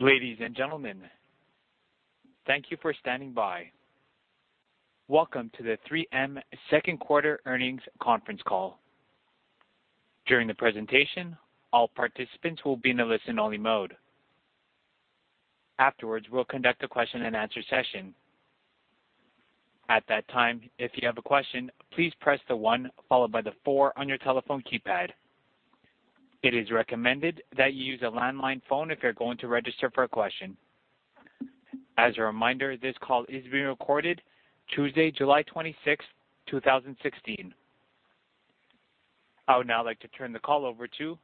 Ladies and gentlemen, thank you for standing by. Welcome to the 3M second quarter earnings conference call. During the presentation, all participants will be in a listen-only mode. Afterwards, we'll conduct a question and answer session. At that time, if you have a question, please press the one followed by the four on your telephone keypad. It is recommended that you use a landline phone if you're going to register for a question. As a reminder, this call is being recorded Tuesday, July 26th, 2016. I would now like to turn the call over to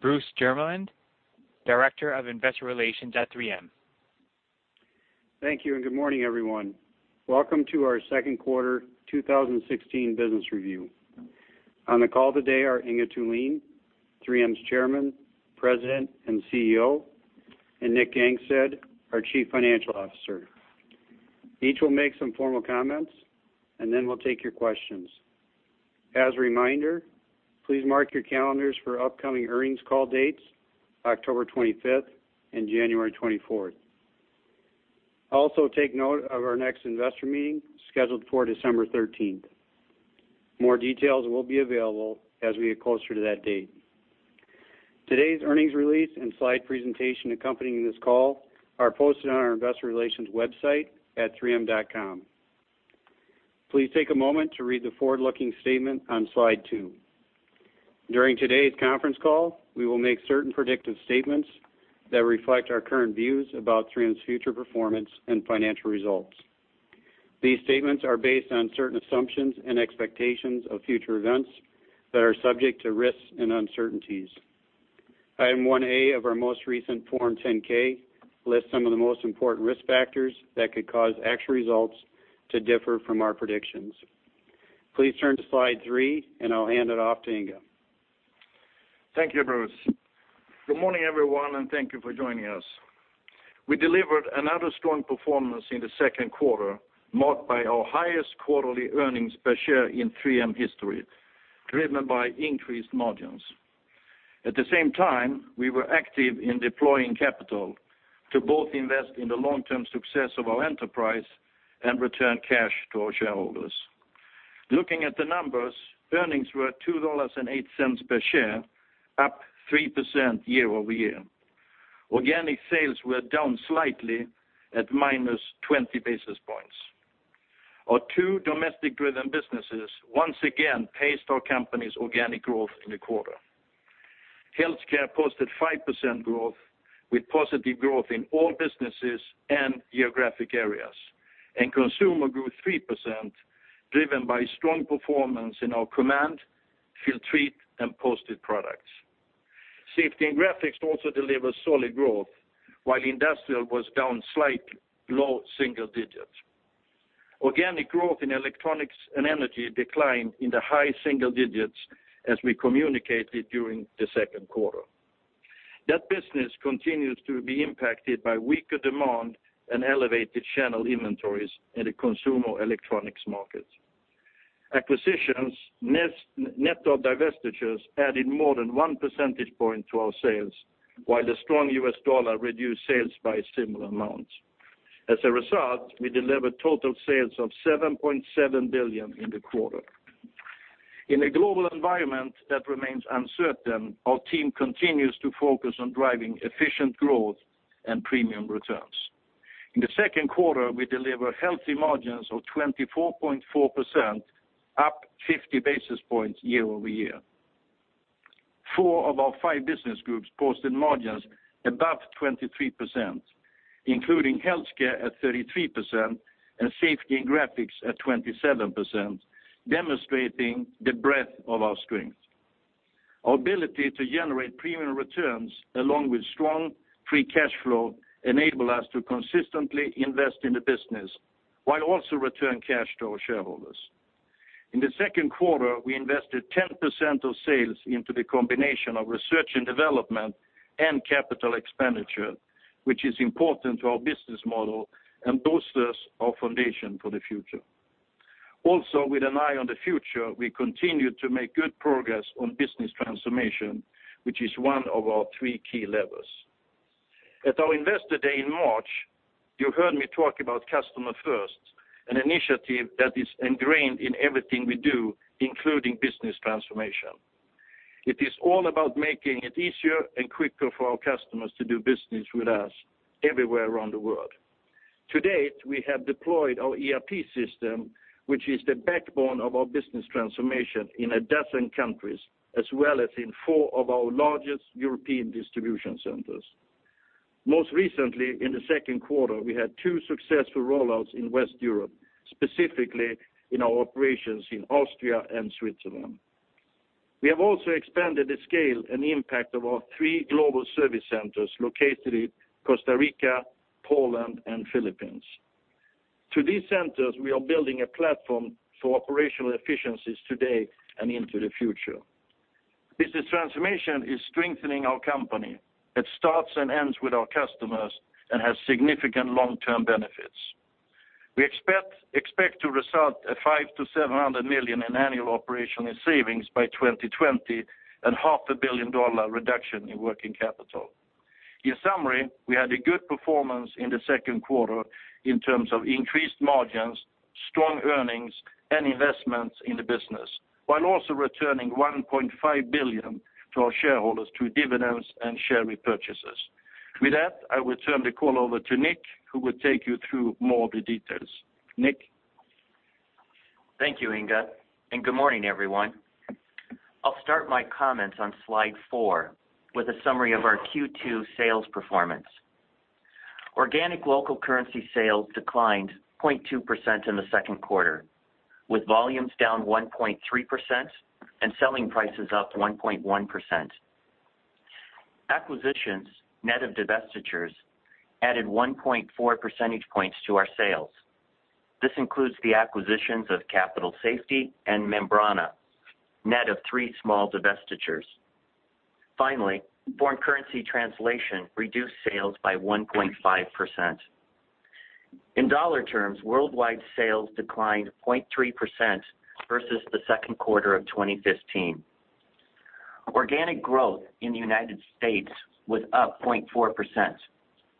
Bruce Jermeland, Director of Investor Relations at 3M. Thank you, good morning, everyone. Welcome to our second quarter 2016 business review. On the call today are Inge Thulin, 3M's Chairman, President, and CEO, and Nick Gangestad, our Chief Financial Officer. Each will make some formal comments, then we'll take your questions. As a reminder, please mark your calendars for upcoming earnings call dates, October 25th and January 24th. Also, take note of our next investor meeting scheduled for December 13th. More details will be available as we get closer to that date. Today's earnings release and slide presentation accompanying this call are posted on our investor relations website at 3m.com. Please take a moment to read the forward-looking statement on slide two. During today's conference call, we will make certain predictive statements that reflect our current views about 3M's future performance and financial results. These statements are based on certain assumptions and expectations of future events that are subject to risks and uncertainties. Item 1A of our most recent Form 10-K lists some of the most important risk factors that could cause actual results to differ from our predictions. Please turn to slide three, and I'll hand it off to Inge. Thank you, Bruce. Good morning, everyone, thank you for joining us. We delivered another strong performance in the second quarter, marked by our highest quarterly earnings per share in 3M history, driven by increased margins. At the same time, we were active in deploying capital to both invest in the long-term success of our enterprise and return cash to our shareholders. Looking at the numbers, earnings were $2.08 per share, up 3% year-over-year. Organic sales were down slightly at -20 basis points. Our two domestic-driven businesses once again paced our company's organic growth in the quarter. Healthcare posted 5% growth with positive growth in all businesses and geographic areas, Consumer grew 3%, driven by strong performance in our Command, Filtrete, and Post-it products. Safety and Graphics also delivered solid growth, while Industrial was down slight low single digits. Organic growth in Electronics and Energy declined in the high single digits as we communicated during the second quarter. That business continues to be impacted by weaker demand and elevated channel inventories in the consumer electronics markets. Acquisitions, net of divestitures, added more than one percentage point to our sales, while the strong U.S. dollar reduced sales by a similar amount. As a result, we delivered total sales of $7.7 billion in the quarter. In a global environment that remains uncertain, our team continues to focus on driving efficient growth and premium returns. In the second quarter, we delivered healthy margins of 24.4%, up 50 basis points year-over-year. Four of our five Business Groups posted margins above 23%, including Healthcare at 33% and Safety and Graphics at 27%, demonstrating the breadth of our strength. Our ability to generate premium returns along with strong free cash flow enable us to consistently invest in the business while also returning cash to our shareholders. In the second quarter, we invested 10% of sales into the combination of research and development and capital expenditure, which is important to our business model and bolsters our foundation for the future. With an eye on the future, we continue to make good progress on Business Transformation, which is one of our three key levers. At our Investor Day in March, you heard me talk about Customer First, an initiative that is ingrained in everything we do, including Business Transformation. It is all about making it easier and quicker for our customers to do business with us everywhere around the world. To date, we have deployed our ERP system, which is the backbone of our Business Transformation, in a dozen countries, as well as in four of our largest European distribution centers. Most recently, in the second quarter, we had two successful rollouts in West Europe, specifically in our operations in Austria and Switzerland. We have also expanded the scale and impact of our three global service centers located in Costa Rica, Poland, and the Philippines. Through these centers, we are building a platform for operational efficiencies today and into the future. Business Transformation is strengthening our company. It starts and ends with our customers and has significant long-term benefits. We expect to result at $500 million to $700 million in annual operational savings by 2020 and half a billion dollar reduction in working capital. In summary, we had a good performance in the second quarter in terms of increased margins, strong earnings, and investments in the business, while also returning $1.5 billion to our shareholders through dividends and share repurchases. With that, I will turn the call over to Nick, who will take you through more of the details. Nick? Thank you, Inge, and good morning, everyone. I'll start my comments on slide four with a summary of our Q2 sales performance. Organic local currency sales declined 0.2% in the second quarter, with volumes down 1.3% and selling prices up 1.1%. Acquisitions, net of divestitures, added 1.4 percentage points to our sales. This includes the acquisitions of Capital Safety and Membrana, net of three small divestitures. Finally, foreign currency translation reduced sales by 1.5%. In U.S. dollar terms, worldwide sales declined 0.3% versus the second quarter of 2015. Organic growth in the U.S. was up 0.4%,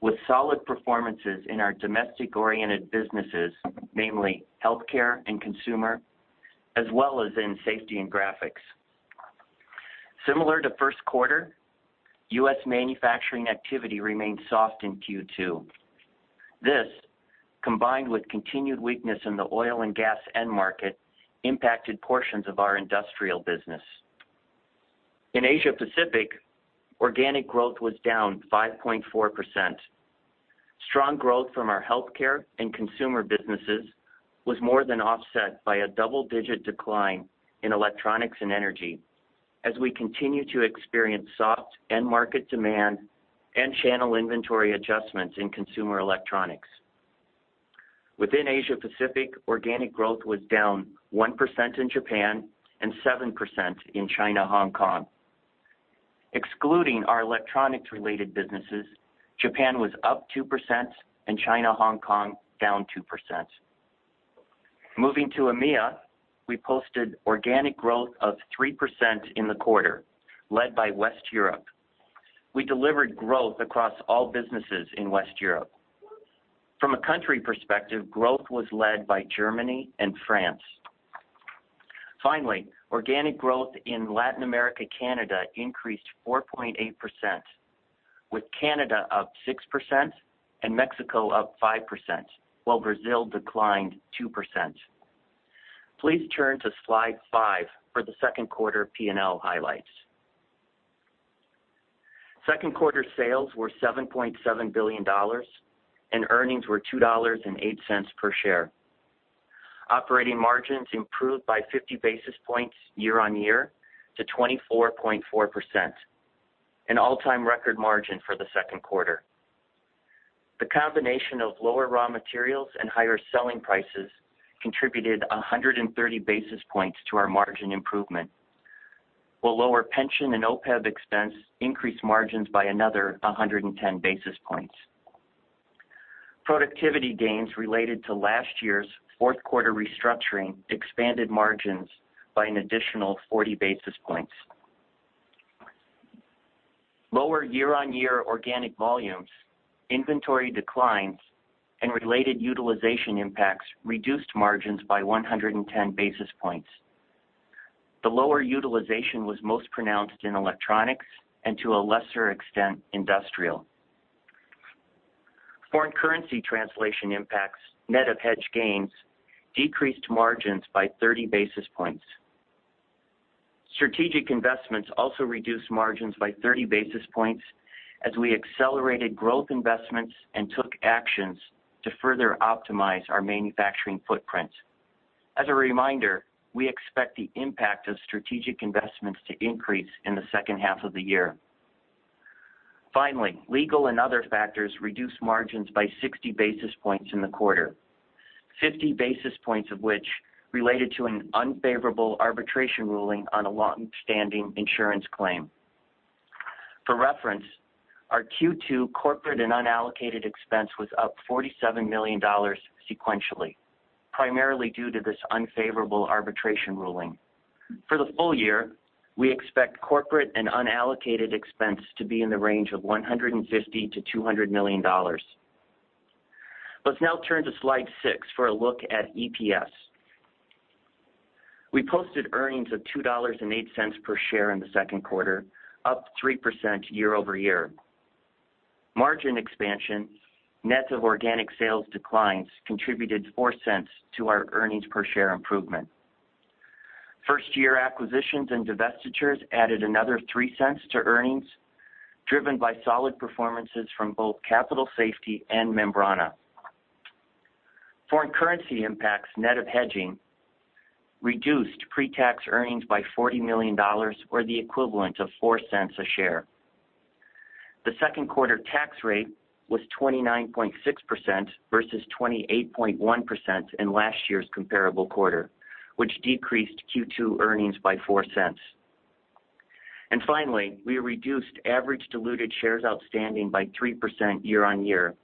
with solid performances in our domestic-oriented businesses, namely Health Care and Consumer, as well as in Safety and Graphics. Similar to first quarter, U.S. manufacturing activity remained soft in Q2. This, combined with continued weakness in the oil and gas end market, impacted portions of our Industrial business. In Asia Pacific, organic growth was down 5.4%. Strong growth from our Health Care and Consumer businesses was more than offset by a double-digit decline in Electronics and Energy as we continue to experience soft end market demand and channel inventory adjustments in consumer electronics. Within Asia Pacific, organic growth was down 1% in Japan and 7% in China/Hong Kong. Excluding our electronics-related businesses, Japan was up 2% and China/Hong Kong down 2%. Moving to EMEA, we posted organic growth of 3% in the quarter, led by West Europe. We delivered growth across all businesses in West Europe. From a country perspective, growth was led by Germany and France. Finally, organic growth in Latin America/Canada increased 4.8%, with Canada up 6% and Mexico up 5%, while Brazil declined 2%. Please turn to slide five for the second quarter P&L highlights. Second quarter sales were $7.7 billion, and earnings were $2.08 per share. Operating margins improved by 50 basis points year-on-year to 24.4%, an all-time record margin for the second quarter. The combination of lower raw materials and higher selling prices contributed 130 basis points to our margin improvement, while lower pension and OPEB expense increased margins by another 110 basis points. Productivity gains related to last year's fourth quarter restructuring expanded margins by an additional 40 basis points. Lower year-on-year organic volumes, inventory declines, and related utilization impacts reduced margins by 110 basis points. The lower utilization was most pronounced in Electronics and, to a lesser extent, Industrial. Foreign currency translation impacts, net of hedge gains, decreased margins by 30 basis points. Strategic investments also reduced margins by 30 basis points as we accelerated growth investments and took actions to further optimize our manufacturing footprint. As a reminder, we expect the impact of strategic investments to increase in the second half of the year. Finally, legal and other factors reduced margins by 60 basis points in the quarter, 50 basis points of which related to an unfavorable arbitration ruling on a longstanding insurance claim. For reference, our Q2 corporate and unallocated expense was up $47 million sequentially, primarily due to this unfavorable arbitration ruling. For the full year, we expect corporate and unallocated expense to be in the range of $150 million-$200 million. Let's now turn to slide six for a look at EPS. We posted earnings of $2.08 per share in the second quarter, up 3% year-over-year. Margin expansion, net of organic sales declines, contributed $0.04 to our earnings per share improvement. First year acquisitions and divestitures added another $0.03 to earnings, driven by solid performances from both Capital Safety and Membrana. Foreign currency impacts, net of hedging, reduced pre-tax earnings by $40 million or the equivalent of $0.04 a share. The second quarter tax rate was 29.6% versus 28.1% in last year's comparable quarter, which decreased Q2 earnings by $0.04. Finally, we reduced average diluted shares outstanding by 3% year-on-year,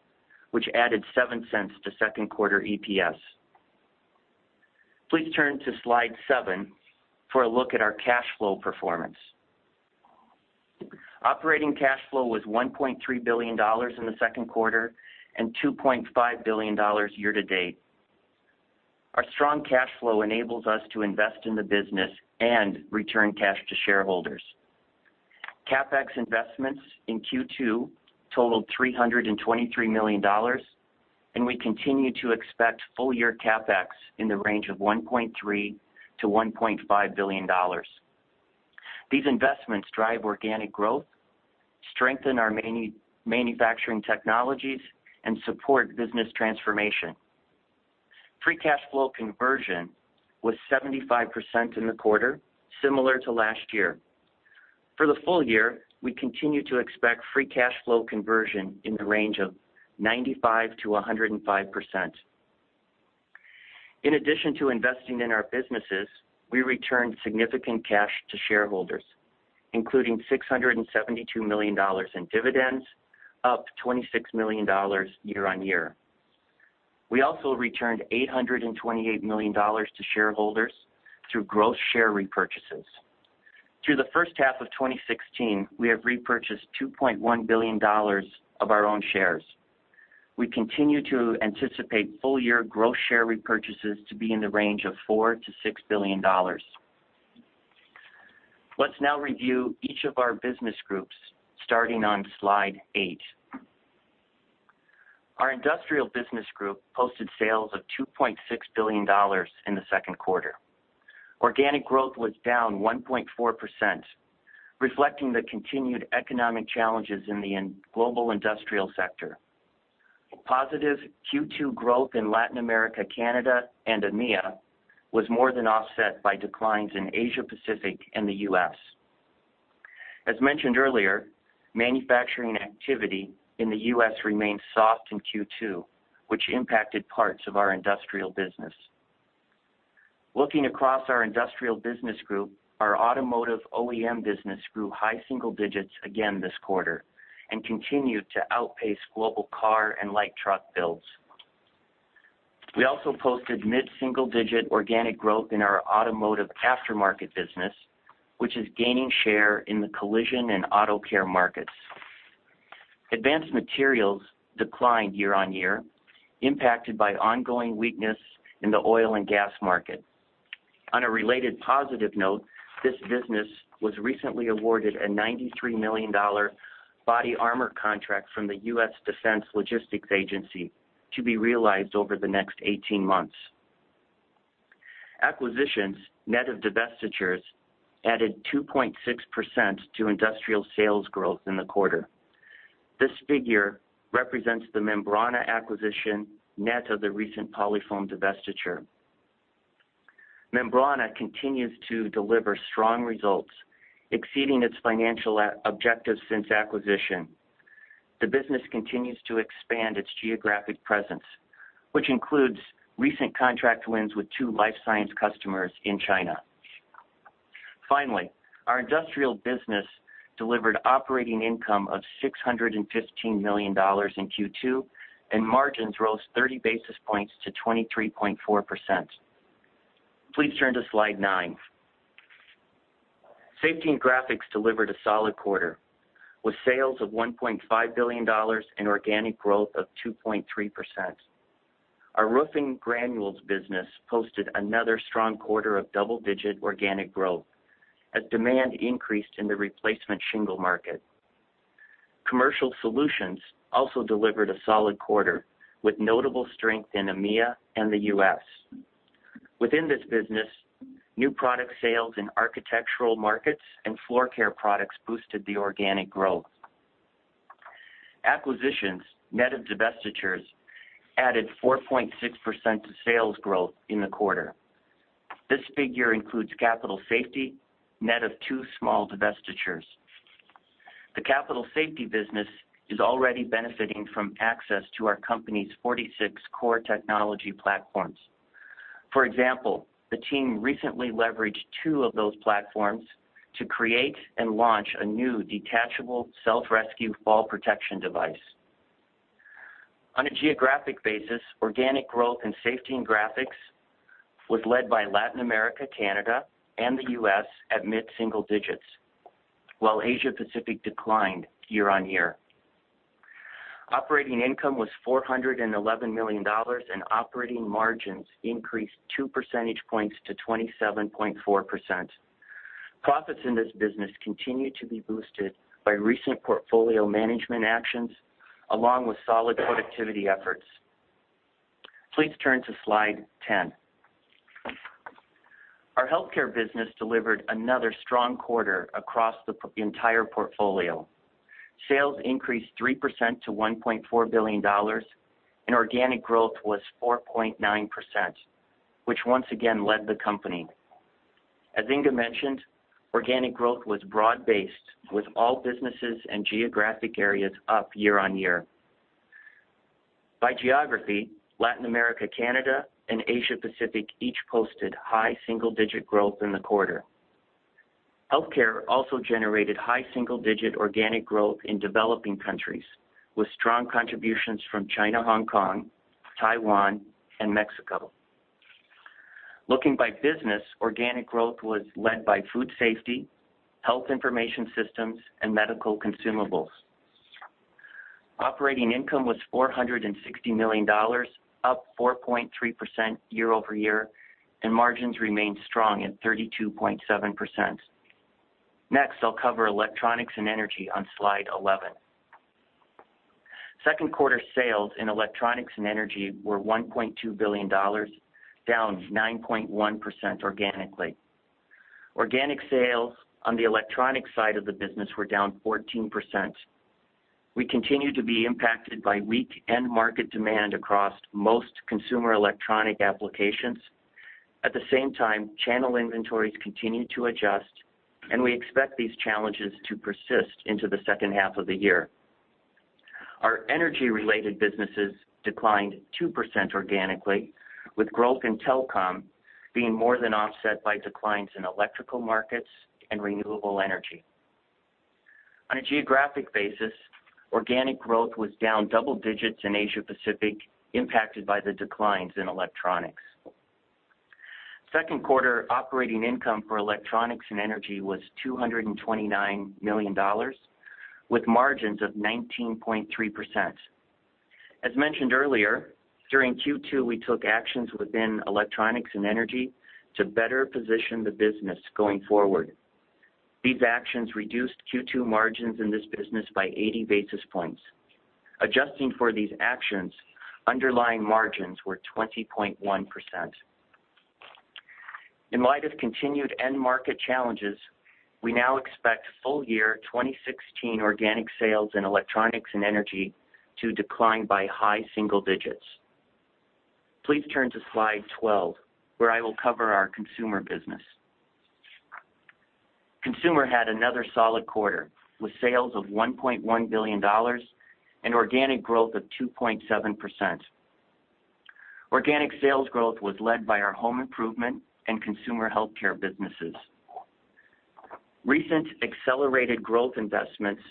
which added $0.07 to second quarter EPS. Please turn to Slide 7 for a look at our cash flow performance. Operating cash flow was $1.3 billion in the second quarter and $2.5 billion year-to-date. Our strong cash flow enables us to invest in the business and return cash to shareholders. CapEx investments in Q2 totaled $323 million, and we continue to expect full-year CapEx in the range of $1.3 billion-$1.5 billion. These investments drive organic growth, strengthen our manufacturing technologies, and support business transformation. Free cash flow conversion was 75% in the quarter, similar to last year. For the full year, we continue to expect free cash flow conversion in the range of 95%-105%. In addition to investing in our businesses, we returned significant cash to shareholders, including $672 million in dividends, up $26 million year-on-year. We also returned $828 million to shareholders through gross share repurchases. Through the first half of 2016, we have repurchased $2.1 billion of our own shares. We continue to anticipate full-year gross share repurchases to be in the range of $4 billion-$6 billion. Let's now review each of our business groups, starting on Slide 8. Our Industrial Business Group posted sales of $2.6 billion in the second quarter. Organic growth was down 1.4%, reflecting the continued economic challenges in the global industrial sector. Positive Q2 growth in Latin America, Canada, and EMEA was more than offset by declines in Asia Pacific and the U.S. As mentioned earlier, manufacturing activity in the U.S. remained soft in Q2, which impacted parts of our industrial business. Looking across our Industrial Business Group, our automotive OEM business grew high single digits again this quarter and continued to outpace global car and light truck builds. We also posted mid-single-digit organic growth in our automotive aftermarket business, which is gaining share in the collision and auto care markets. Advanced materials declined year-on-year, impacted by ongoing weakness in the oil and gas market. On a related positive note, this business was recently awarded a $93 million body armor contract from the U.S. Defense Logistics Agency to be realized over the next 18 months. Acquisitions, net of divestitures, added 2.6% to industrial sales growth in the quarter. This figure represents the Membrana acquisition net of the recent Polyfoam divestiture. Membrana continues to deliver strong results, exceeding its financial objectives since acquisition. The business continues to expand its geographic presence, which includes recent contract wins with two life science customers in China. Our industrial business delivered operating income of $615 million in Q2, and margins rose 30 basis points to 23.4%. Please turn to Slide 9. Safety and Graphics delivered a solid quarter, with sales of $1.5 billion and organic growth of 2.3%. Our roofing granules business posted another strong quarter of double-digit organic growth as demand increased in the replacement shingle market. Commercial Solutions also delivered a solid quarter, with notable strength in EMEA and the U.S. Within this business, new product sales in architectural markets and floor care products boosted the organic growth. Acquisitions, net of divestitures, added 4.6% to sales growth in the quarter. This figure includes Capital Safety, net of two small divestitures. The Capital Safety business is already benefiting from access to our company's 46 core technology platforms. For example, the team recently leveraged two of those platforms to create and launch a new detachable self-rescue fall protection device. On a geographic basis, organic growth in Safety and Graphics was led by Latin America, Canada, and the U.S. at mid-single digits, while Asia Pacific declined year-on-year. Operating income was $411 million, and operating margins increased two percentage points to 27.4%. Profits in this business continue to be boosted by recent portfolio management actions, along with solid productivity efforts. Please turn to Slide 10. Our Healthcare business delivered another strong quarter across the entire portfolio. Sales increased 3% to $1.4 billion, and organic growth was 4.9%, which once again led the company. As Inge mentioned, organic growth was broad-based, with all businesses and geographic areas up year-on-year. By geography, Latin America, Canada, and Asia Pacific each posted high single-digit growth in the quarter. Healthcare also generated high single-digit organic growth in developing countries, with strong contributions from China, Hong Kong, Taiwan, and Mexico. Looking by business, organic growth was led by food safety, health information systems, and medical consumables. Operating income was $460 million, up 4.3% year-over-year, and margins remained strong at 32.7%. Next, I'll cover Electronics & Energy on Slide 11. Second quarter sales in Electronics & Energy were $1.2 billion, down 9.1% organically. Organic sales on the electronic side of the business were down 14%. We continue to be impacted by weak end market demand across most consumer electronic applications. At the same time, channel inventories continue to adjust, and we expect these challenges to persist into the second half of the year. Our energy-related businesses declined 2% organically, with growth in telecom being more than offset by declines in electrical markets and renewable energy. On a geographic basis, organic growth was down double digits in Asia Pacific, impacted by the declines in electronics. Second quarter operating income for Electronics & Energy was $229 million with margins of 19.3%. As mentioned earlier, during Q2, we took actions within Electronics & Energy to better position the business going forward. These actions reduced Q2 margins in this business by 80 basis points. Adjusting for these actions, underlying margins were 20.1%. In light of continued end market challenges, we now expect full year 2016 organic sales in Electronics and Energy to decline by high single digits. Please turn to Slide 12, where I will cover our Consumer business. Consumer had another solid quarter, with sales of $1.1 billion and organic growth of 2.7%. Organic sales growth was led by our home improvement and consumer healthcare businesses. Recent accelerated growth investments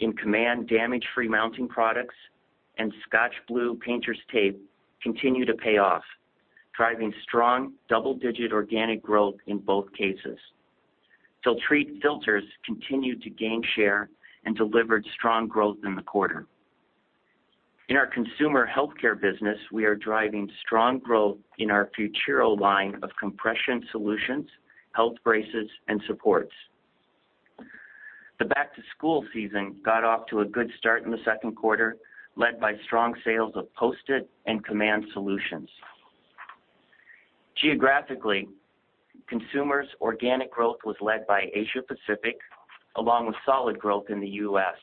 in Command damage-free mounting products and ScotchBlue painter's tape continue to pay off, driving strong double-digit organic growth in both cases. Filtrete filters continued to gain share and delivered strong growth in the quarter. In our consumer healthcare business, we are driving strong growth in our FUTURO line of compression solutions, health braces, and supports. The back-to-school season got off to a good start in the second quarter, led by strong sales of Post-it and Command solutions. Geographically, consumer's organic growth was led by Asia Pacific, along with solid growth in the U.S.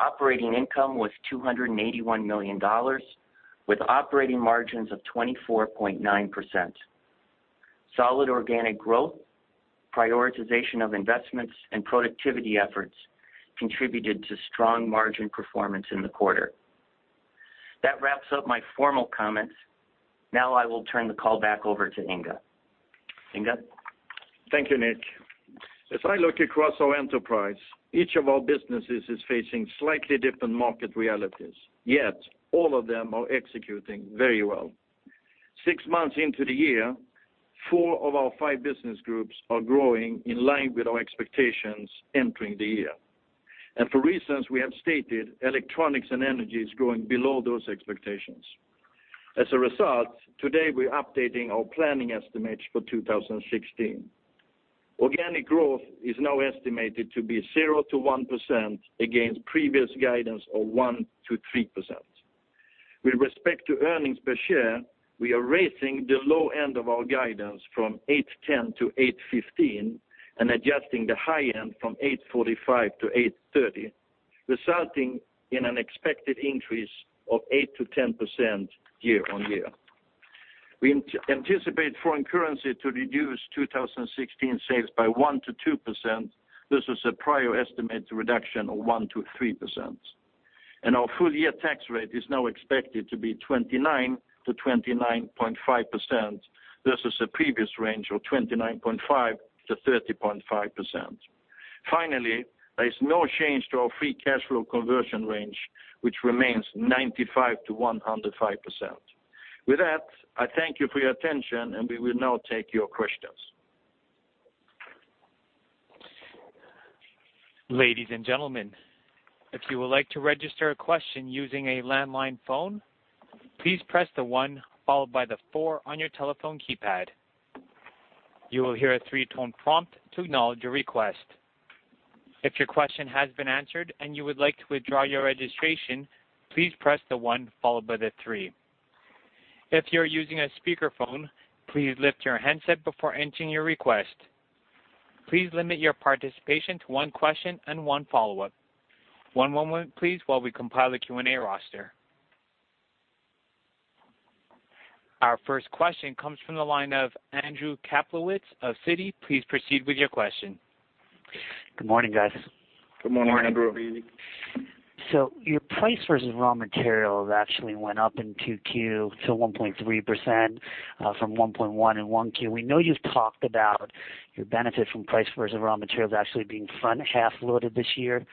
Operating income was $281 million with operating margins of 24.9%. Solid organic growth, prioritization of investments, and productivity efforts contributed to strong margin performance in the quarter. That wraps up my formal comments. I will turn the call back over to Inge. Inge? Thank you, Nick. I look across our enterprise, each of our businesses is facing slightly different market realities, yet all of them are executing very well. Six months into the year, four of our five business groups are growing in line with our expectations entering the year. For reasons we have stated, Electronics & Energy is growing below those expectations. As a result, today we're updating our planning estimates for 2016. Organic growth is now estimated to be 0%-1% against previous guidance of 1%-3%. With respect to earnings per share, we are raising the low end of our guidance from $8.10-$8.15 and adjusting the high end from $8.45-$8.30, resulting in an expected increase of 8%-10% year-over-year. We anticipate foreign currency to reduce 2016 sales by 1%-2%. This is a prior estimate to reduction of 1%-3%. Our full-year tax rate is now expected to be 29%-29.5%. This is a previous range of 29.5%-30.5%. There is no change to our free cash flow conversion range, which remains 95%-105%. With that, I thank you for your attention, we will now take your questions. Ladies and gentlemen, if you would like to register a question using a landline phone, please press the one followed by the four on your telephone keypad. You will hear a three-tone prompt to acknowledge your request. If your question has been answered and you would like to withdraw your registration, please press the one followed by the three. If you're using a speakerphone, please lift your handset before entering your request. Please limit your participation to one question and one follow-up. One moment please while we compile a Q&A roster. Our first question comes from the line of Andrew Kaplowitz of Citigroup. Please proceed with your question. Good morning, guys. Good morning, Andrew. Good morning. Your price versus raw material actually went up in 2Q to 1.3% from 1.1% in 1Q. We know you've talked about your benefit from price versus raw materials actually being front-half loaded this year,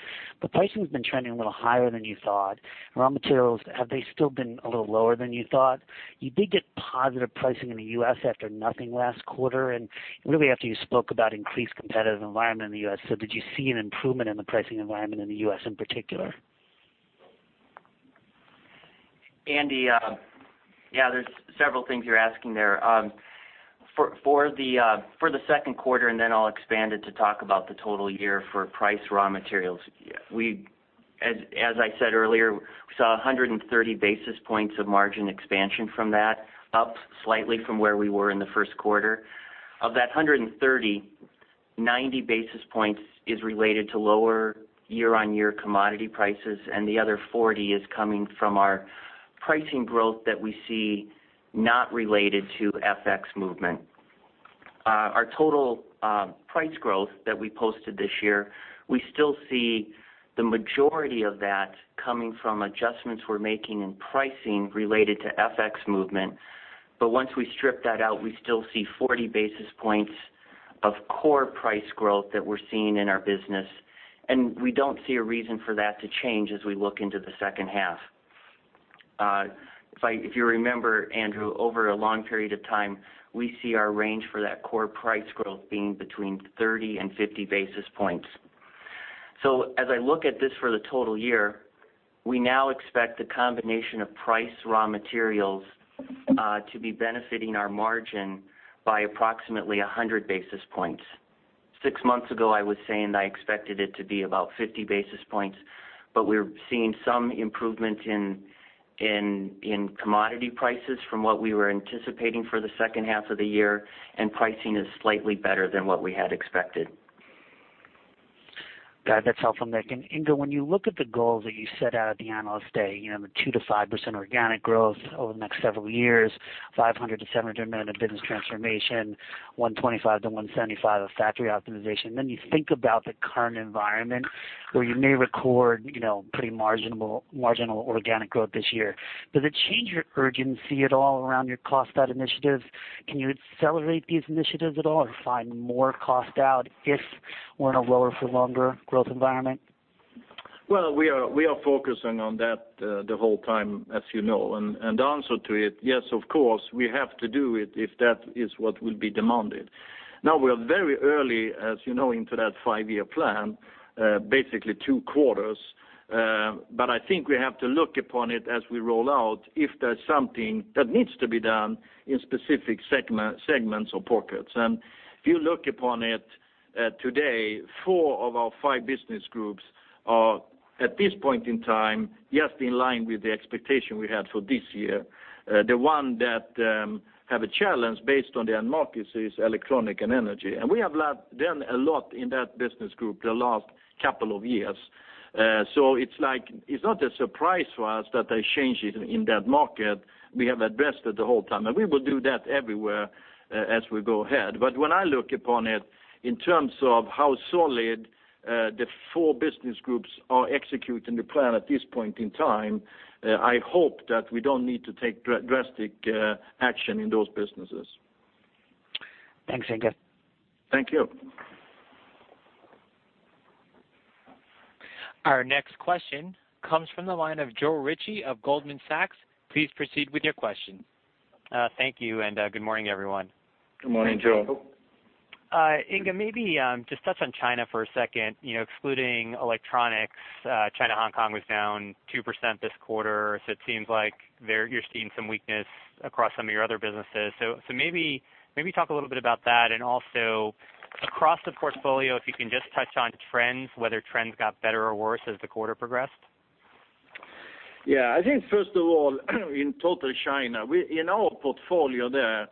but pricing's been trending a little higher than you thought. Raw materials, have they still been a little lower than you thought? You did get positive pricing in the U.S. after nothing last quarter, and really after you spoke about increased competitive environment in the U.S. Did you see an improvement in the pricing environment in the U.S. in particular? Andy, yeah, there's several things you're asking there. For the second quarter, then I'll expand it to talk about the total year for price raw materials. As I said earlier, we saw 130 basis points of margin expansion from that, up slightly from where we were in the first quarter. Of that 130, 90 basis points is related to lower year-on-year commodity prices, and the other 40 is coming from our pricing growth that we see not related to FX movement. Our total price growth that we posted this year, we still see the majority of that coming from adjustments we're making in pricing related to FX movement. Once we strip that out, we still see 40 basis points of core price growth that we're seeing in our business, and we don't see a reason for that to change as we look into the second half. If you remember, Andrew, over a long period of time, we see our range for that core price growth being between 30 and 50 basis points. As I look at this for the total year, we now expect the combination of price raw materials to be benefiting our margin by approximately 100 basis points. 6 months ago, I was saying I expected it to be about 50 basis points, we're seeing some improvement in commodity prices from what we were anticipating for the second half of the year, and pricing is slightly better than what we had expected. Got it. That's helpful, Nick. Inge, when you look at the goals that you set out at the Analyst Day, the 2%-5% organic growth over the next several years, $500 million-$700 million in business transformation, $125 million-$175 million of factory optimization, you think about the current environment where you may record pretty marginal organic growth this year. Does it change your urgency at all around your cost-out initiatives? Can you accelerate these initiatives at all or find more cost out if we're in a lower for longer growth environment? Well, we are focusing on that the whole time, as you know. The answer to it, yes, of course, we have to do it if that is what will be demanded. We are very early, as you know, into that 5-year plan, basically 2 quarters, I think we have to look upon it as we roll out if there's something that needs to be done in specific segments or pockets. If you look upon it today, 4 of our 5 business groups are, at this point in time, just in line with the expectation we had for this year. The one that have a challenge based on their markets is Electronics & Energy. We have done a lot in that business group the last couple of years. It's not a surprise for us that they change it in that market. We have addressed it the whole time, and we will do that everywhere as we go ahead. When I look upon it in terms of how solid the four business groups are executing the plan at this point in time, I hope that we don't need to take drastic action in those businesses. Thanks, Inge. Thank you. Our next question comes from the line of Joe Ritchie of Goldman Sachs. Please proceed with your question. Thank you, good morning, everyone. Good morning, Joe. Good morning. Inge, maybe just touch on China for a second. Excluding electronics, China, Hong Kong was down 2% this quarter. It seems like you're seeing some weakness across some of your other businesses. Maybe talk a little bit about that, and also across the portfolio, if you can just touch on trends, whether trends got better or worse as the quarter progressed. I think first of all, in total China, in our portfolio there,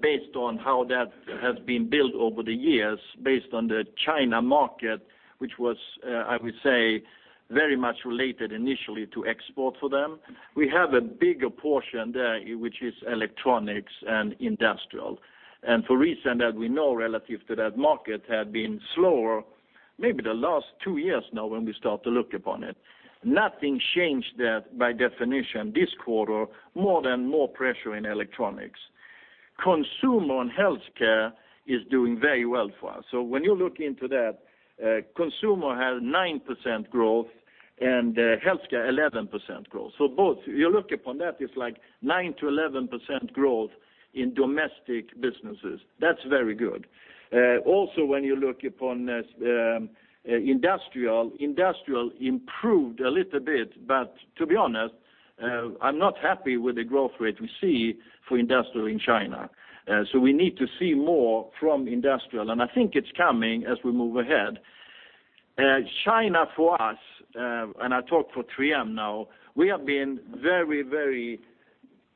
based on how that has been built over the years, based on the China market, which was, I would say, very much related initially to export for them, we have a bigger portion there, which is electronics and industrial. For reasons that we know relative to that market had been slower maybe the last two years now when we start to look upon it. Nothing changed that by definition this quarter, more than more pressure in electronics. Consumer and healthcare is doing very well for us. When you look into that, consumer had 9% growth and healthcare 11% growth. Both, you look upon that, it's like 9%-11% growth in domestic businesses. That's very good. When you look upon industrial improved a little bit, to be honest, I'm not happy with the growth rate we see for industrial in China. We need to see more from industrial, and I think it's coming as we move ahead. China for us, and I talk for 3M now, we have been very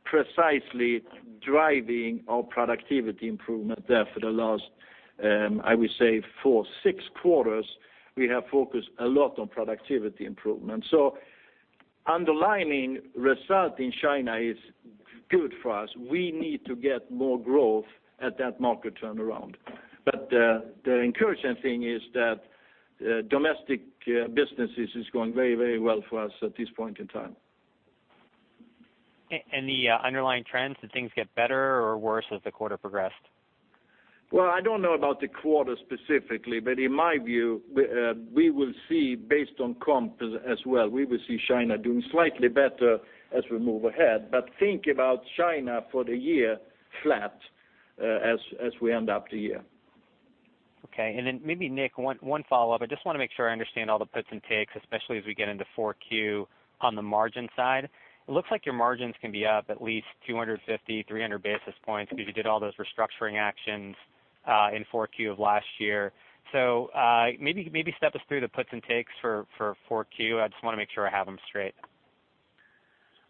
precisely driving our productivity improvement there for the last, I would say four, six quarters, we have focused a lot on productivity improvement. Underlying result in China is good for us. We need to get more growth at that market turnaround. The encouraging thing is that domestic businesses is going very well for us at this point in time. The underlying trends, did things get better or worse as the quarter progressed? Well, I don't know about the quarter specifically, in my view, we will see based on comp as well, we will see China doing slightly better as we move ahead, think about China for the year flat, as we end up the year. Okay. Nick, one follow-up. I just want to make sure I understand all the puts and takes, especially as we get into 4Q on the margin side. It looks like your margins can be up at least 250, 300 basis points because you did all those restructuring actions, in 4Q of last year. Maybe step us through the puts and takes for 4Q. I just want to make sure I have them straight.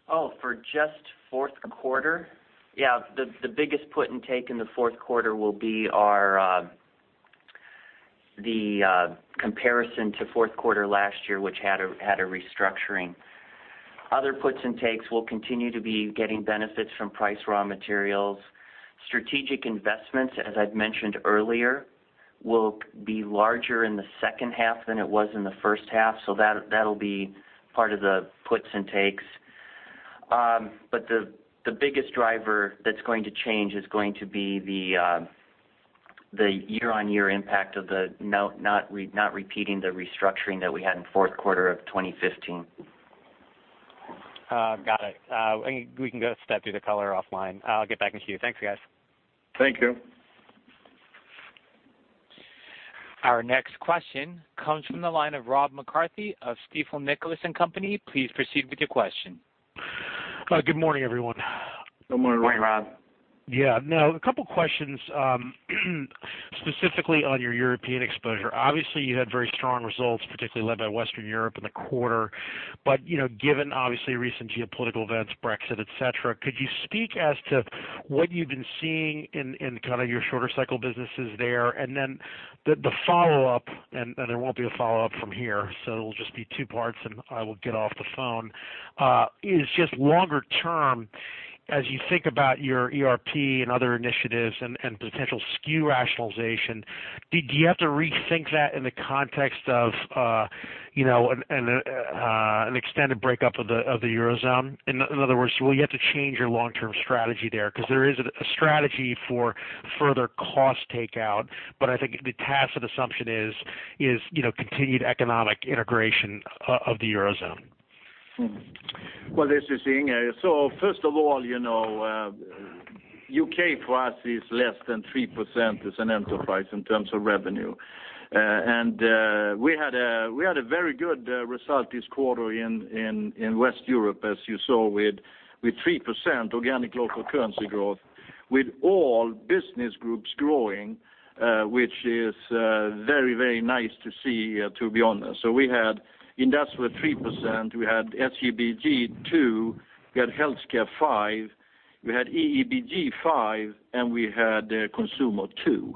For just fourth quarter? The biggest put and take in the fourth quarter will be the comparison to fourth quarter last year, which had a restructuring. Other puts and takes will continue to be getting benefits from price raw materials. Strategic investments, as I'd mentioned earlier, will be larger in the second half than it was in the first half. That'll be part of the puts and takes. The biggest driver that's going to change is going to be the year-on-year impact of not repeating the restructuring that we had in fourth quarter of 2015. Got it. We can go step through the color offline. I'll get back in queue. Thanks, guys. Thank you. Our next question comes from the line of Rob McCarthy of Stifel, Nicolaus & Company. Please proceed with your question. Good morning, everyone. Good morning, Rob. Yeah. Now, a couple questions, specifically on your European exposure. Obviously, you had very strong results, particularly led by Western Europe in the quarter. Given obviously recent geopolitical events, Brexit, et cetera, could you speak as to what you've been seeing in kind of your shorter cycle businesses there? The follow-up, and there won't be a follow-up from here, it'll just be two parts and I will get off the phone, is just longer term, as you think about your ERP and other initiatives and potential SKU rationalization, do you have to rethink that in the context of an extended breakup of the Eurozone? In other words, will you have to change your long-term strategy there? Because there is a strategy for further cost takeout, but I think the tacit assumption is continued economic integration of the Eurozone. This is Inge. First of all, U.K. for us is less than 3% as an enterprise in terms of revenue. We had a very good result this quarter in West Europe, as you saw with 3% organic local currency growth, with all business groups growing, which is very nice to see, to be honest. We had industrial 3%, we had SIBG two, we had healthcare five, we had E&EBG five, and we had consumer two.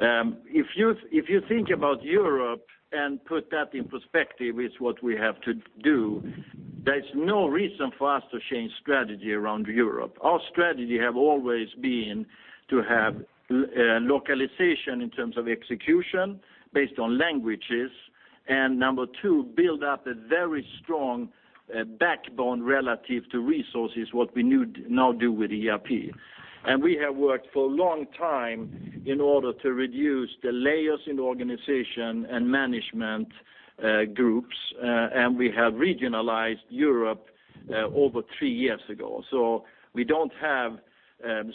If you think about Europe and put that in perspective with what we have to do, there's no reason for us to change strategy around Europe. Our strategy have always been to have localization in terms of execution based on languages. Number two, build up a very strong backbone relative to resources, what we now do with ERP. We have worked for a long time in order to reduce the layers in the organization and management groups. We have regionalized Europe over three years ago. We don't have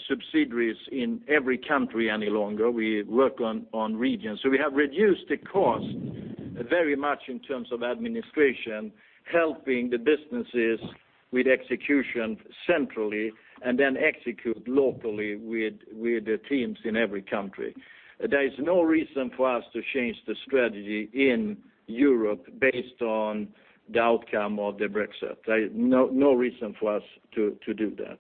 subsidiaries in every country any longer. We work on regions. We have reduced the cost very much in terms of administration, helping the businesses with execution centrally, and then execute locally with the teams in every country. There is no reason for us to change the strategy in Europe based on the outcome of the Brexit. No reason for us to do that.